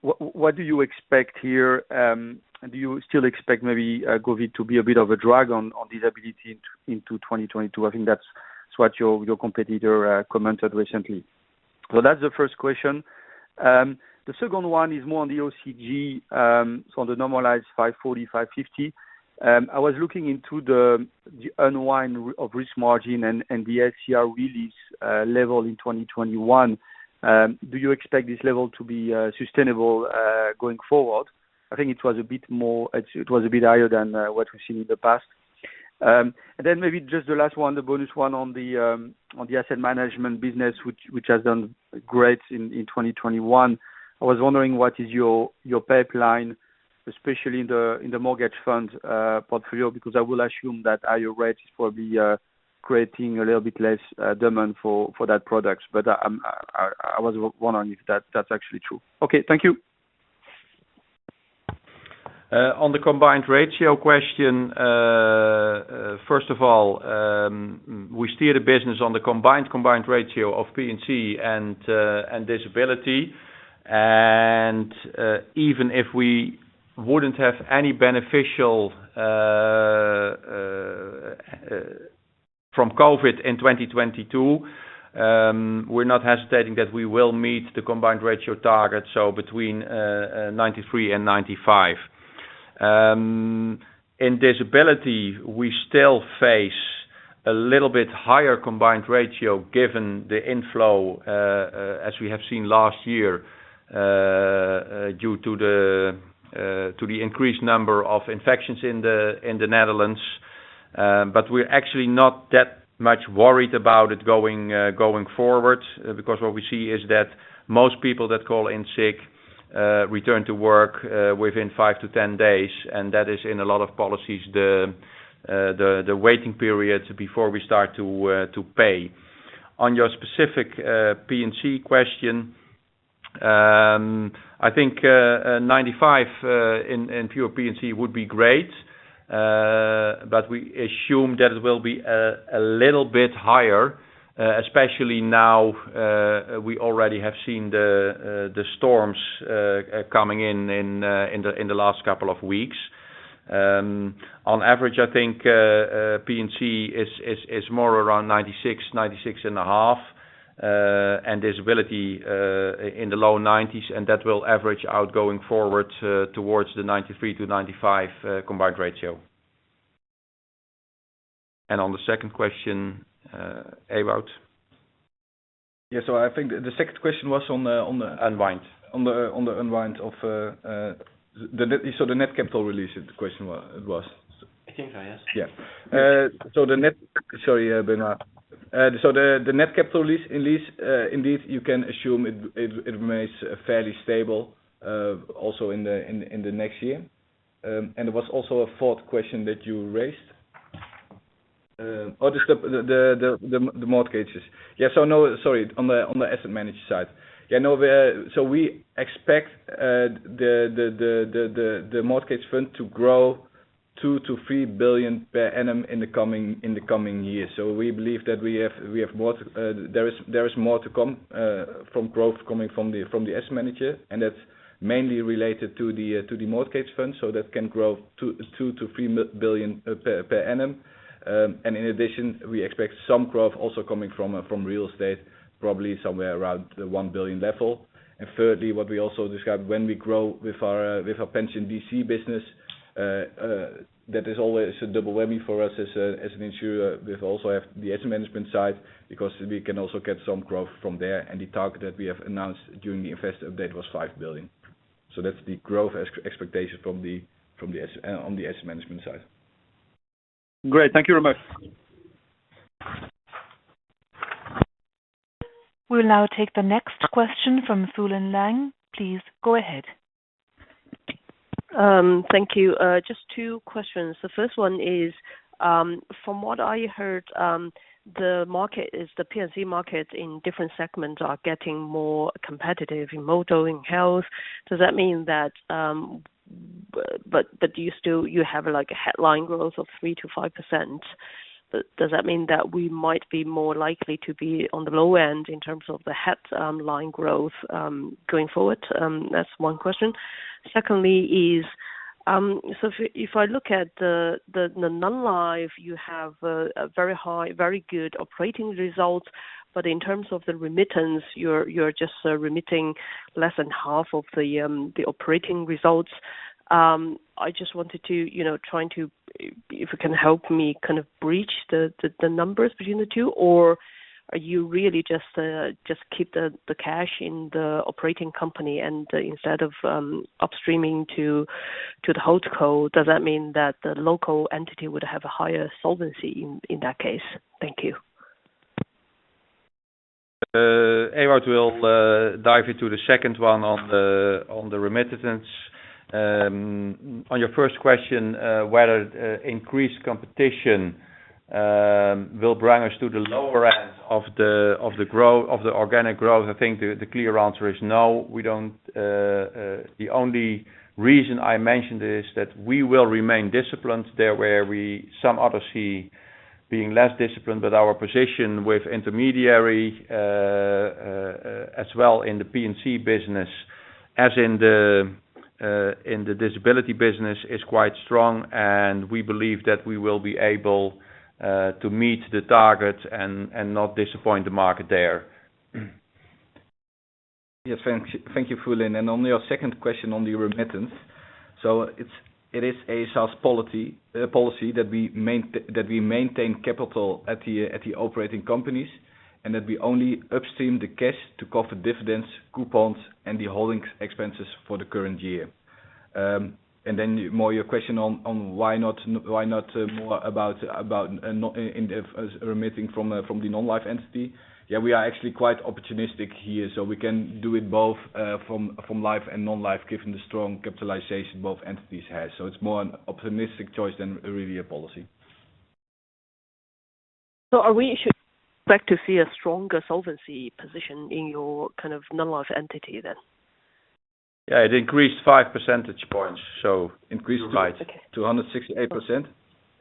What do you expect here? Do you still expect maybe COVID to be a bit of a drag on disability into 2022? I think that's what your competitor commented recently. That's the first question. The second one is more on the OCC, on the normalized 540-550. I was looking into the unwind of risk margin and the SCR release level in 2021. Do you expect this level to be sustainable going forward? I think it was a bit higher than what we've seen in the past. Maybe just the last one, the bonus one on the asset management business, which has done great in 2021. I was wondering what is your pipeline, especially in the mortgage fund portfolio, because I will assume that higher rates will be creating a little bit less demand for that product. I was wondering if that's actually true. Okay. Thank you. On the combined ratio question, first of all, we steer the business on the combined ratio of P&C and disability. Even if we wouldn't have any benefit from COVID in 2022, we're not hesitating that we will meet the combined ratio target, so between 93%-95%. In disability, we still face a little bit higher combined ratio given the inflow as we have seen last year due to the increased number of infections in the Netherlands. We're actually not that much worried about it going forward, because what we see is that most people that call in sick return to work within 5-10 days, and that is in a lot of policies the waiting period before we start to pay. On your specific P&C question, I think 95% in pure P&C would be great, but we assume that it will be a little bit higher, especially now, we already have seen the storms coming in in the last couple of weeks. On average, I think, P&C is more around 96%, 96.5%, and disability, in the low 90s%, and that will average out going forward, towards the 93%-95% combined ratio. On the second question, Ewout? I think the second question was on the- Unwind. The net capital release, the question was. I think so, yes. Sorry, Benoit. The net capital release in life indeed remains fairly stable also in the next year. There was also a fourth question that you raised, or the mortgages. No, sorry. On the asset management side. No, we expect the mortgage fund to grow 2 billion-3 billion per annum in the coming years. We believe that we have more, there is more to come from growth coming from the asset manager, and that's mainly related to the mortgage fund, so that can grow 2 billion-3 billion per annum. In addition, we expect some growth also coming from real estate, probably somewhere around the 1 billion level. Thirdly, what we also described, when we grow with our Pension DC business, that is always a double whammy for us as an insurer. We've also have the asset management side because we can also get some growth from there. The target that we have announced during the investor update was 5 billion. That's the growth expectation from the asset on the a sset management side. Great. Thank you very much. We'll now take the next question from Fulin Liang. Please go ahead. Thank you. Just two questions. The first one is, from what I heard, the market is, the P&C market in different segments are getting more competitive in motor or in health. Does that mean that you still have like a headline growth of 3%-5%? Does that mean that we might be more likely to be on the low end in terms of the headline growth going forward? That's one question. Second is, if I look at the non-life, you have a very high, very good operating results. In terms of the remittance, you're just remitting less than half of the operating results. I just wanted to, you know, if you can help me kind of bridge the numbers between the two? Are you really just keep the cash in the operating company and instead of upstreaming to the holdco, does that mean that the local entity would have a higher solvency in that case? Thank you. Ewout will dive into the second one on the remuneration. On your first question whether increased competition will bring us to the lower end of the organic growth, I think the clear answer is no, we don't. The only reason I mentioned is that we will remain disciplined there where some others are being less disciplined, but our position with intermediary as well in the P&C business, as in the disability business is quite strong, and we believe that we will be able to meet the target and not disappoint the market there. Yes, thank you, Fulin. On your second question on the remittance. It is a sales policy that we maintain capital at the operating companies, and that we only upstream the cash to cover dividends, coupons, and the holdings expenses for the current year. More on your question on why not more about not remitting from the non-life entity. We are actually quite opportunistic here, so we can do it both from life and non-life, given the strong capitalization both entities has. It is more an opportunistic choice than really a policy. Are we expected to see a stronger solvency position in your kind of non-life entity then? Yeah, it increased 5 percentage points, so increased 5 to 168%.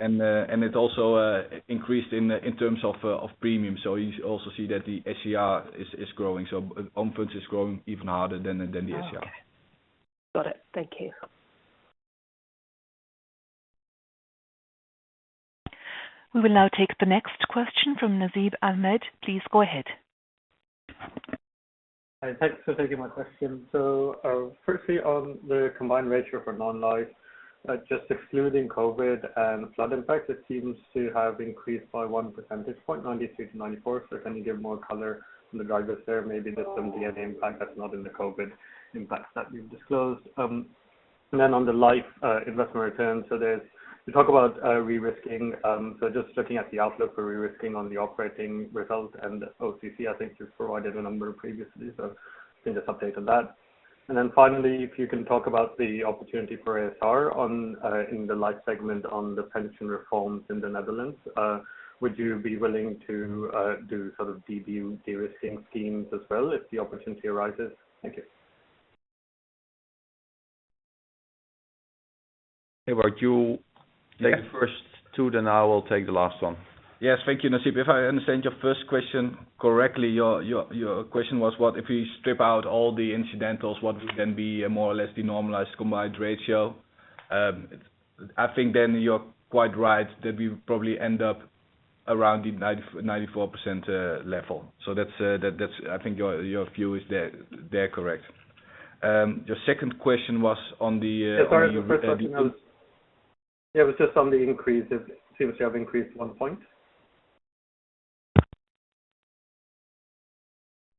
It also increased in terms of premium. You also see that the SCR is growing. Own funds is growing even harder than the SCR. Okay. Got it. Thank you. We will now take the next question from Nasib Ahmed. Please go ahead. Thanks for taking my question. Firstly on the combined ratio for non-life, just excluding COVID and flood impact, it seems to have increased by 1 percentage point, 93%-94%. Can you give more color on the drivers there? Maybe there's some DNA impact that's not in the COVID impacts that you've disclosed. And then on the life investment return, you talk about rerisking. Just looking at the outlook for rerisking on the operating results and OCC, I think you've provided a number previously, can just update on that. Then finally, if you can talk about the opportunity for ASR in the life segment on the pension reforms in the Netherlands, would you be willing to do sort of DB derisking schemes as well if the opportunity arises? Thank you. Ewout, you take the first two, then I will take the last one. Yes. Thank you, Nasib. If I understand your first question correctly, your question was what, if we strip out all the incidentals, what would then be more or less the normalized combined ratio? I think then you're quite right that we probably end up around the 90%-94% level. That's. I think your view is correct. Your second question was on the. Sorry, the first question was. It was just on the increase. It seems to have increased one point.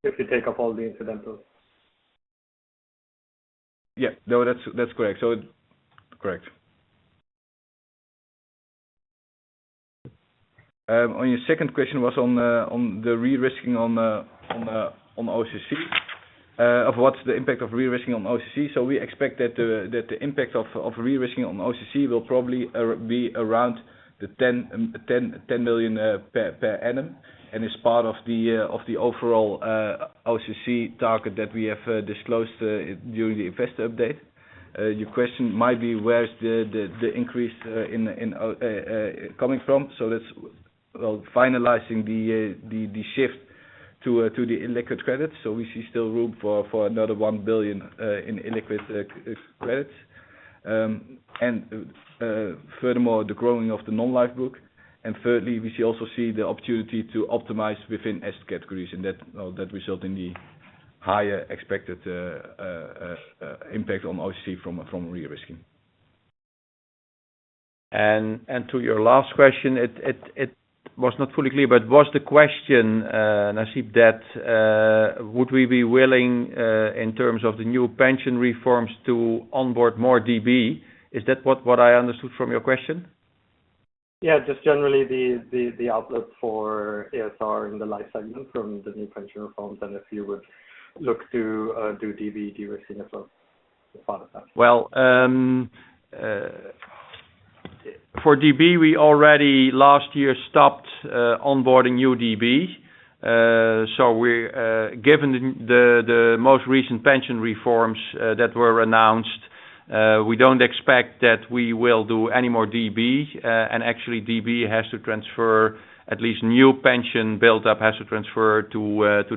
If you take up all the incidentals. That's correct. Your second question was on the derisking on OCC of what's the impact of derisking on OCC. We expect that the impact of derisking on OCC will probably be around 10 million per annum, and is part of the overall OCC target that we have disclosed during the investor update. Your question might be, where's the increase coming from? That's well finalizing the shift to the illiquid credits. We see still room for another 1 billion in illiquid credits. Furthermore, the growing of the non-life book. Thirdly, we also see the opportunity to optimize within asset categories, and that result in the higher expected impact on OCC from derisking. To your last question, it was not fully clear, but was the question, Nasib, that would we be willing, in terms of the new pension reforms to onboard more DB? Is that what I understood from your question? Yeah, just generally the outlook for ASR in the life segment from the new pension reforms, and if you would look to do DB derisking as well as part of that. Well, for DB, we already last year stopped onboarding new DB. Given the most recent pension reforms that were announced, we don't expect that we will do any more DB. Actually, DB has to transfer at least new pension built up to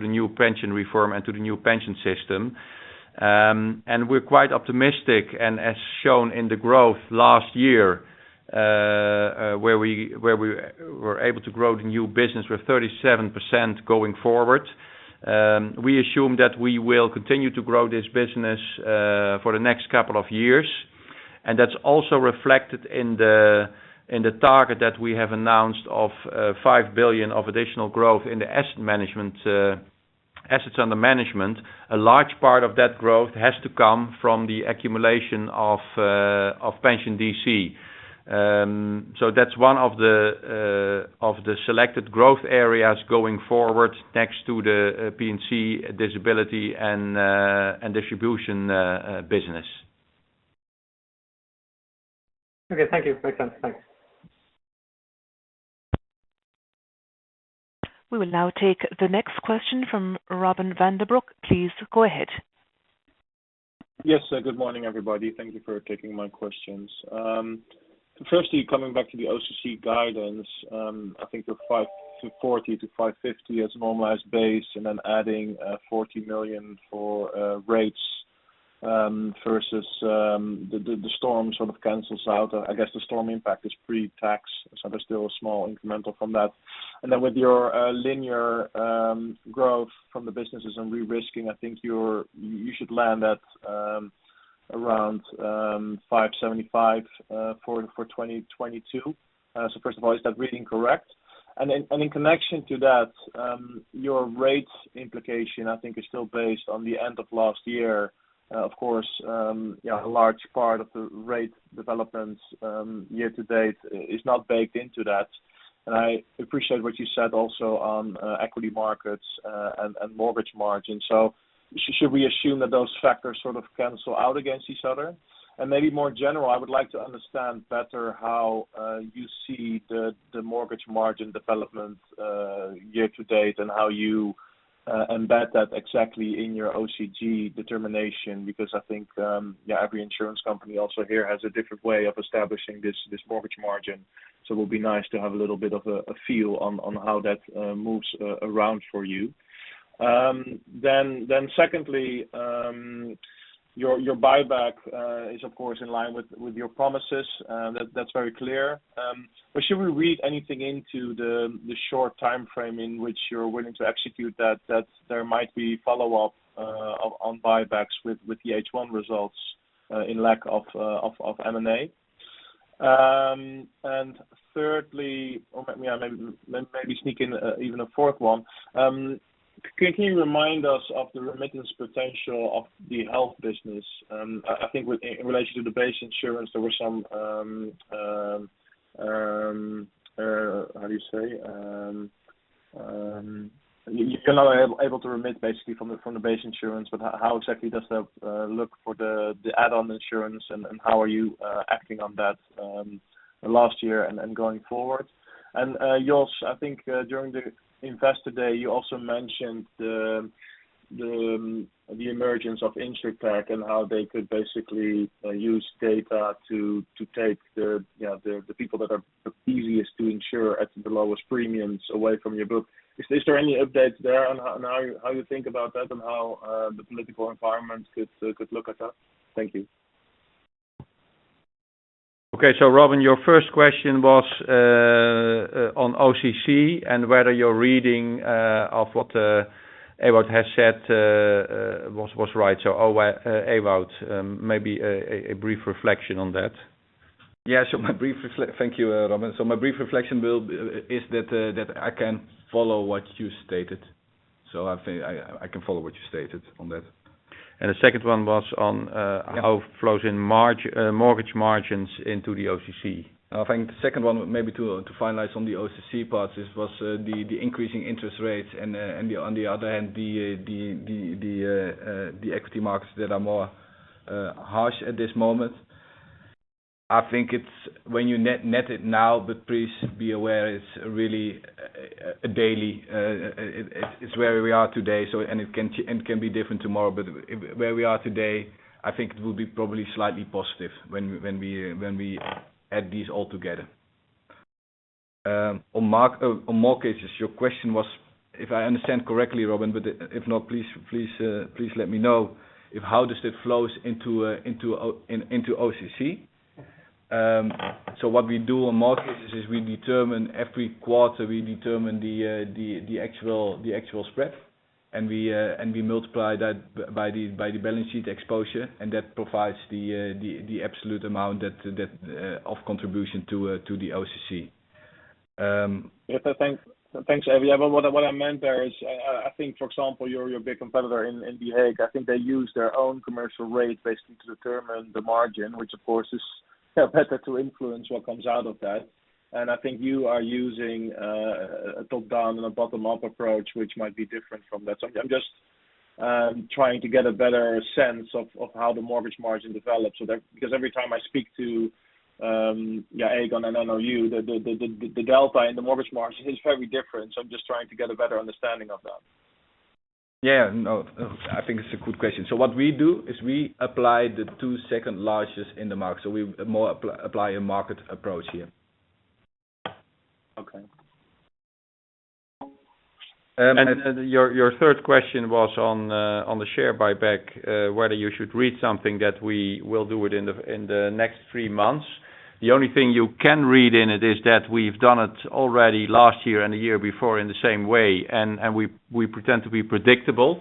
the new pension reform and to the new pension system. We're quite optimistic, and as shown in the growth last year, where we were able to grow the new business with 37% going forward. We assume that we will continue to grow this business for the next couple of years. That's also reflected in the target that we have announced of 5 billion of additional growth in the asset management assets under management. A large part of that growth has to come from the accumulation of pension DC. That's one of the selected growth areas going forward next to the P&C disability and distribution business. Okay, thank you. Makes sense. Thanks. We will now take the next question from Robin van den Broek. Please go ahead. Yes. Good morning, everybody. Thank you for taking my questions. Firstly, coming back to the OCC guidance, I think the 540-550 as normalized base and then adding 40 million for rates versus the storm sort of cancels out. I guess the storm impact is pre-tax, so there's still a small incremental from that. Then with your linear growth from the businesses and rerisking, I think you should land at around 575 for 2022. First of all, is that reading correct? In connection to that, your rates implication, I think is still based on the end of last year. Of course, you know, a large part of the rate development year-to-date is not baked into that. I appreciate what you said also on equity markets and mortgage margin. Should we assume that those factors sort of cancel out against each other? Maybe more general, I would like to understand better how you see the mortgage margin development year-to-date and how you embed that exactly in your OCC determination. Because I think every insurance company also here has a different way of establishing this mortgage margin. It would be nice to have a little bit of a feel on how that moves around for you. Then secondly, your buyback is of course in line with your promises, that's very clear. Should we read anything into the short timeframe in which you're willing to execute that there might be follow-up on buybacks with the H1 results in lack of M&A? Thirdly or yeah, maybe sneak in even a fourth one. Can you remind us of the remittance potential of the health business? I think in relation to the base insurance, there were some you cannot able to remit basically from the base insurance, but how exactly does that look for the add-on insurance and how are you acting on that last year and going forward? Jos, I think during the Investor Day, you also mentioned the emergence of InsurTech and how they could basically use data to take the, you know, the people that are easiest to insure at the lowest premiums away from your book. Is there any updates there on how you think about that and how the political environment could look at that? Thank you. Okay, Robin, your first question was on OCC and whether your reading of what Ewout has said was right. Ewout, maybe a brief reflection on that. Yeah. Thank you, Robin. My brief reflection is that I can follow what you stated. I think I can follow what you stated on that. The second one was on. Yeah How flows in mortgage margins into the OCC. I think the second one, maybe to finalize on the OCC parts, this was the increasing interest rates and on the other hand, the equity markets that are more harsh at this moment. I think it's when you net it now, but please be aware, it's really a daily, it's where we are today, so it can be different tomorrow. Where we are today, I think it will be probably slightly positive when we add these all together. On mortgages, your question was, if I understand correctly, Robin, but if not, please let me know how it flows into OCC. What we do on mortgages is every quarter, we determine the actual spread, and we multiply that by the balance sheet exposure, and that provides the absolute amount of contribution to the OCC. Yeah. Thanks, Ewout. What I meant there is, I think, for example, your big competitor in The Hague, I think they use their own commercial rate basically to determine the margin, which of course is better to influence what comes out of that. I think you are using a top-down and a bottom-up approach, which might be different from that. I'm just trying to get a better sense of how the mortgage margin develops because every time I speak to Aegon and then you, the delta in the mortgage margin is very different. I'm just trying to get a better understanding of that. Yeah. No, I think it's a good question. What we do is we apply the two second largest in the market. We more apply a market approach here. Okay. Your third question was on the share buyback, whether you should read something that we will do it in the next three months. The only thing you can read in it is that we've done it already last year and the year before in the same way. We pretend to be predictable.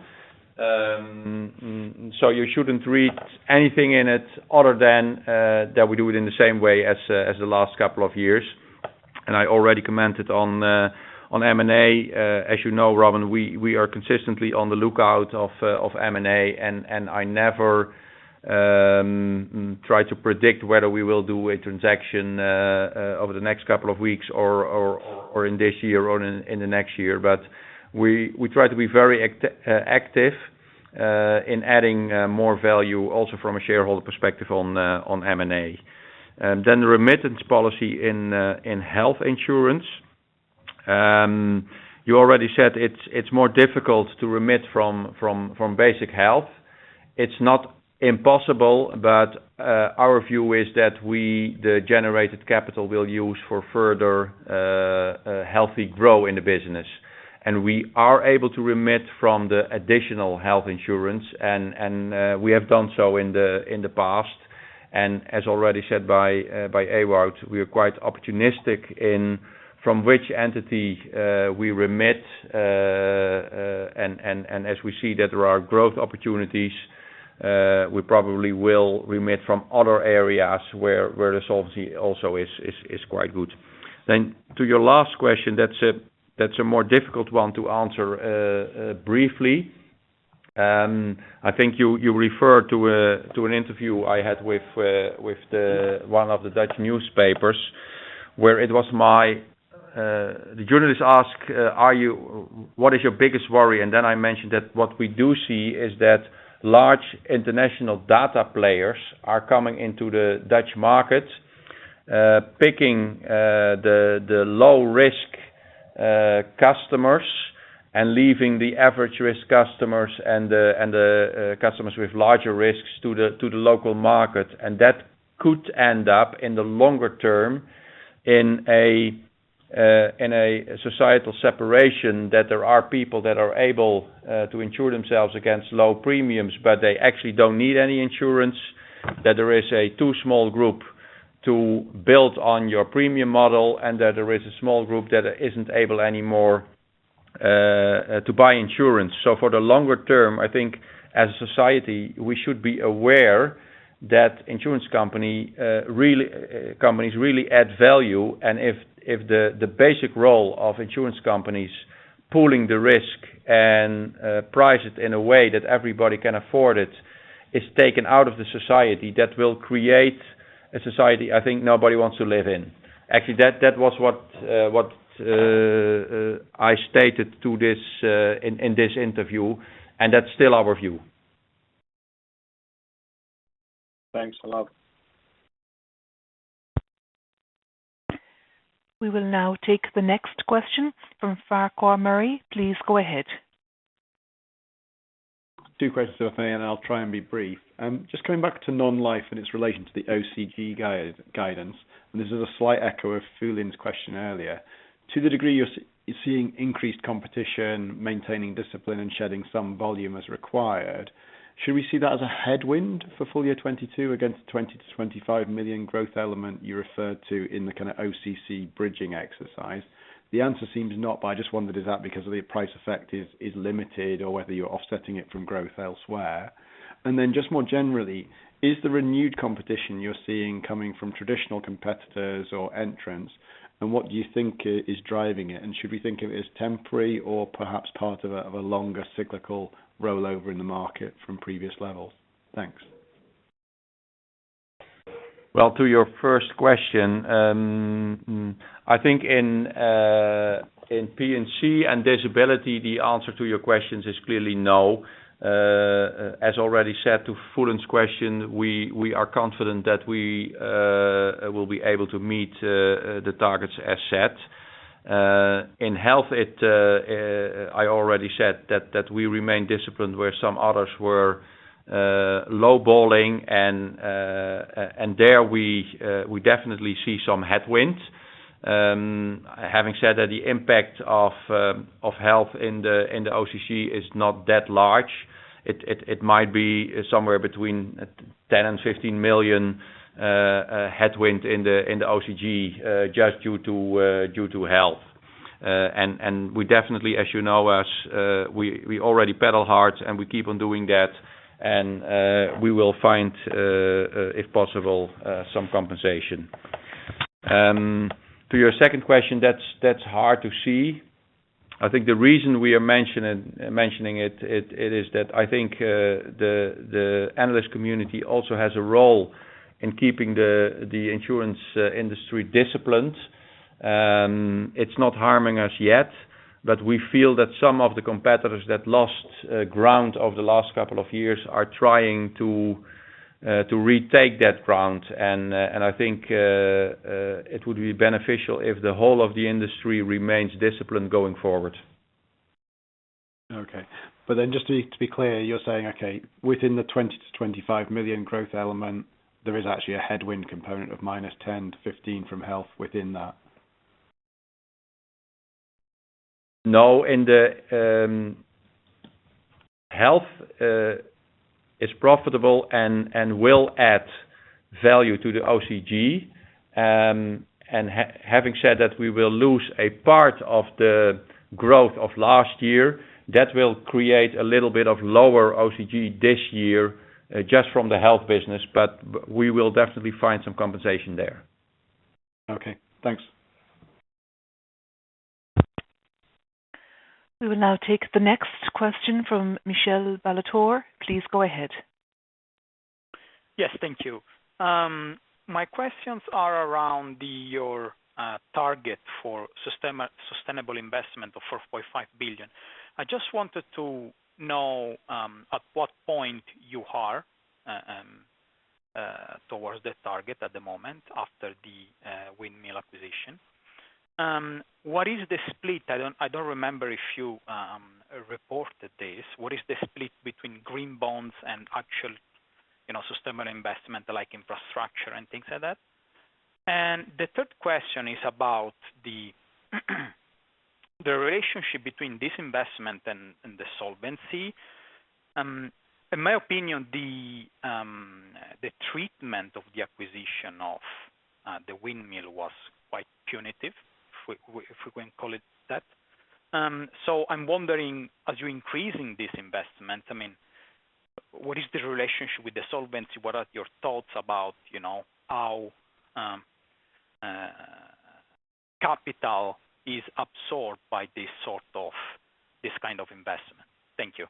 You shouldn't read anything in it other than that we do it in the same way as the last couple of years. I already commented on M&A. As you know, Robin, we are consistently on the lookout for M&A, and I never try to predict whether we will do a transaction over the next couple of weeks or in this year or in the next year. We try to be very active in adding more value also from a shareholder perspective on M&A. Then the remittance policy in health insurance. You already said it's more difficult to remit from basic health. It's not impossible, but our view is that the generated capital we'll use for further healthy growth in the business. We are able to remit from the additional health insurance and we have done so in the past. As already said by Ewout, we are quite opportunistic in from which entity we remit. As we see that there are growth opportunities, we probably will remit from other areas where the solvency also is quite good. To your last question, that's a more difficult one to answer briefly. I think you referred to an interview I had with one of the Dutch newspapers, where the journalist asked what is your biggest worry. I mentioned that what we do see is that large international data players are coming into the Dutch market, picking the low risk customers and leaving the average risk customers and the customers with larger risks to the local market. That could end up, in the longer term, in a societal separation, that there are people that are able to insure themselves against low premiums, but they actually don't need any insurance. That there is a too small group to build on your premium model, and that there is a small group that isn't able anymore to buy insurance. For the longer term, I think as a society, we should be aware that insurance companies really add value. If the basic role of insurance companies pooling the risk and price it in a way that everybody can afford it is taken out of the society, that will create a society I think nobody wants to live in. Actually, that was what I stated to this in this interview, and that's still our view. Thanks a lot. We will now take the next question from Farquhar Murray. Please go ahead. Two questions, and I'll try and be brief. Just coming back to non-life and its relation to the OCC guidance, and this is a slight echo of Fulin's question earlier. To the degree you're seeing increased competition, maintaining discipline and shedding some volume as required, should we see that as a headwind for full year 2022 against the 20 million-25 million growth element you referred to in the kind of OCC bridging exercise? The answer seems not, but I just wondered, is that because the price effect is limited or whether you're offsetting it from growth elsewhere. Then just more generally, is the renewed competition you're seeing coming from traditional competitors or entrants, and what do you think is driving it? Should we think of it as temporary or perhaps part of a longer cyclical rollover in the market from previous levels? Thanks. Well, to your first question, I think in P&C and disability, the answer to your questions is clearly no. As already said to Fulin's question, we are confident that we will be able to meet the targets as set. In health, I already said that we remain disciplined where some others were lowballing and there we definitely see some headwinds. Having said that, the impact of health in the OCC is not that large. It might be somewhere between 10 million and 15 million headwind in the OCC, just due to health. We definitely, as you know us, already pedal hard, and we keep on doing that. We will find, if possible, some compensation. To your second question, that's hard to see. I think the reason we are mentioning it is that I think the analyst community also has a role in keeping the insurance industry disciplined. It's not harming us yet, but we feel that some of the competitors that lost ground over the last couple of years are trying to retake that ground. I think it would be beneficial if the whole of the industry remains disciplined going forward. Just to be clear, you're saying, okay, within the 20 million-25 million growth element, there is actually a headwind component of -10 million to -15 million from health within that? No. Health is profitable and will add value to the OCC. Having said that, we will lose a part of the growth of last year that will create a little bit of lower OCC this year, just from the health business, but we will definitely find some compensation there. Okay, thanks. We will now take the next question from Michele Ballatore. Please go ahead. Yes, thank you. My questions are around your target for sustainable investment of 4.5 billion. I just wanted to know at what point you are towards the target at the moment after the windmill acquisition. What is the split? I don't remember if you reported this. What is the split between green bonds and actual sustainable investment like infrastructure and things like that? The third question is about the relationship between this investment and the solvency. In my opinion, the treatment of the acquisition of the windmill was quite punitive, if we can call it that. So I'm wondering, as you're increasing this investment, I mean, what is the relationship with the solvency? What are your thoughts about, you know, how capital is absorbed by this kind of investment? Thank you.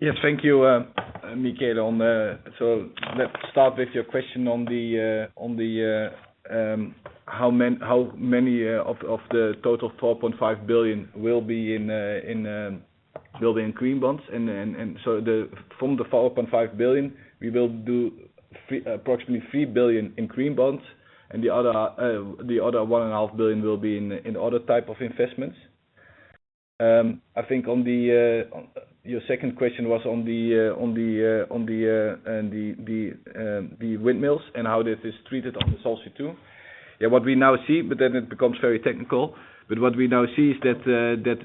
Yes, thank you, Michele. Let's start with your question on how many of the total 4.5 billion will be in buying green bonds. From the 4.5 billion, we will do approximately 3 billion in green bonds and the other 1.5 billion will be in other type of investments. I think your second question was on the windmills and how that is treated on the Solvency II. What we now see, but then it becomes very technical. What we now see is that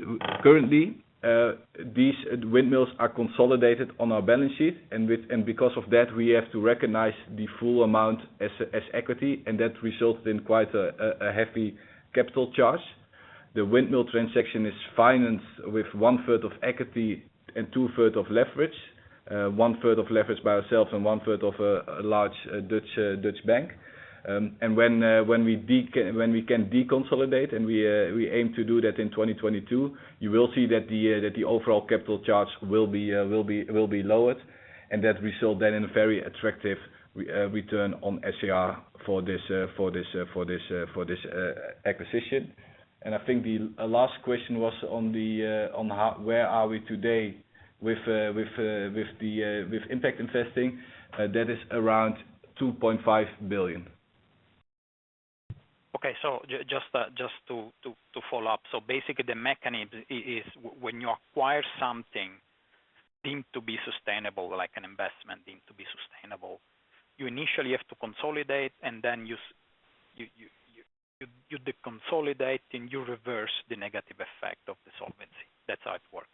currently these windmills are consolidated on our balance sheet, and because of that, we have to recognize the full amount as equity, and that resulted in quite a heavy capital charge. The windmill transaction is financed with one third of equity and two third of leverage. One third of leverage by ourselves and one third of a large Dutch bank. When we can deconsolidate, and we aim to do that in 2022, you will see that the overall capital charge will be lowered and that we sold that in a very attractive return on SCR for this acquisition. I think the Last question was on where are we today with impact investing. That is around 2.5 billion. Okay. Just to follow up. Basically the mechanism is when you acquire something deemed to be sustainable, like an investment deemed to be sustainable, you initially have to consolidate and then you deconsolidate and you reverse the negative effect of the solvency. That's how it works.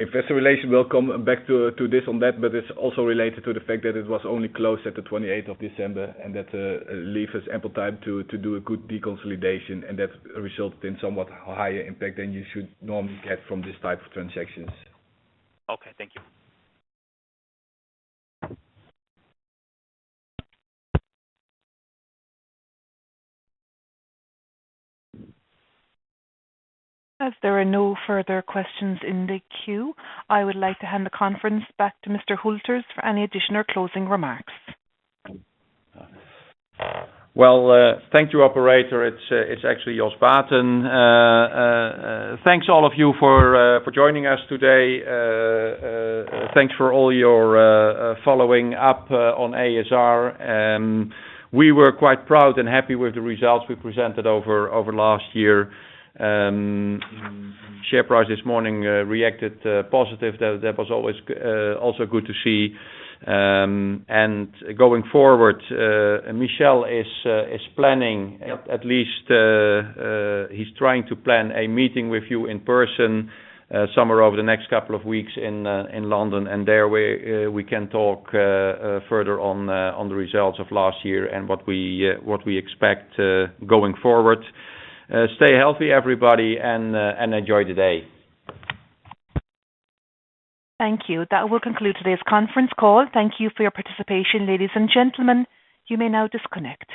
If there's a relation, we'll come back to this on that, but it's also related to the fact that it was only closed at the 28th of December, and that leaves us ample time to do a good deconsolidation, and that resulted in somewhat higher impact than you should normally get from this type of transactions. Okay. Thank you. As there are no further questions in the queue, I would like to hand the conference back to Mr. Hülters for any additional closing remarks. Well, thank you, operator. It's actually Jos Baeten. Thanks all of you for joining us today. Thanks for all your following up on ASR. We were quite proud and happy with the results we presented over last year. Share price this morning reacted positive. That was always good to see. Going forward, Michel is planning at least he's trying to plan a meeting with you in person somewhere over the next couple of weeks in London. There we can talk further on the results of last year and what we expect going forward. Stay healthy everybody and enjoy the day. Thank you. That will conclude today's conference call. Thank you for your participation, ladies and gentlemen. You may now disconnect.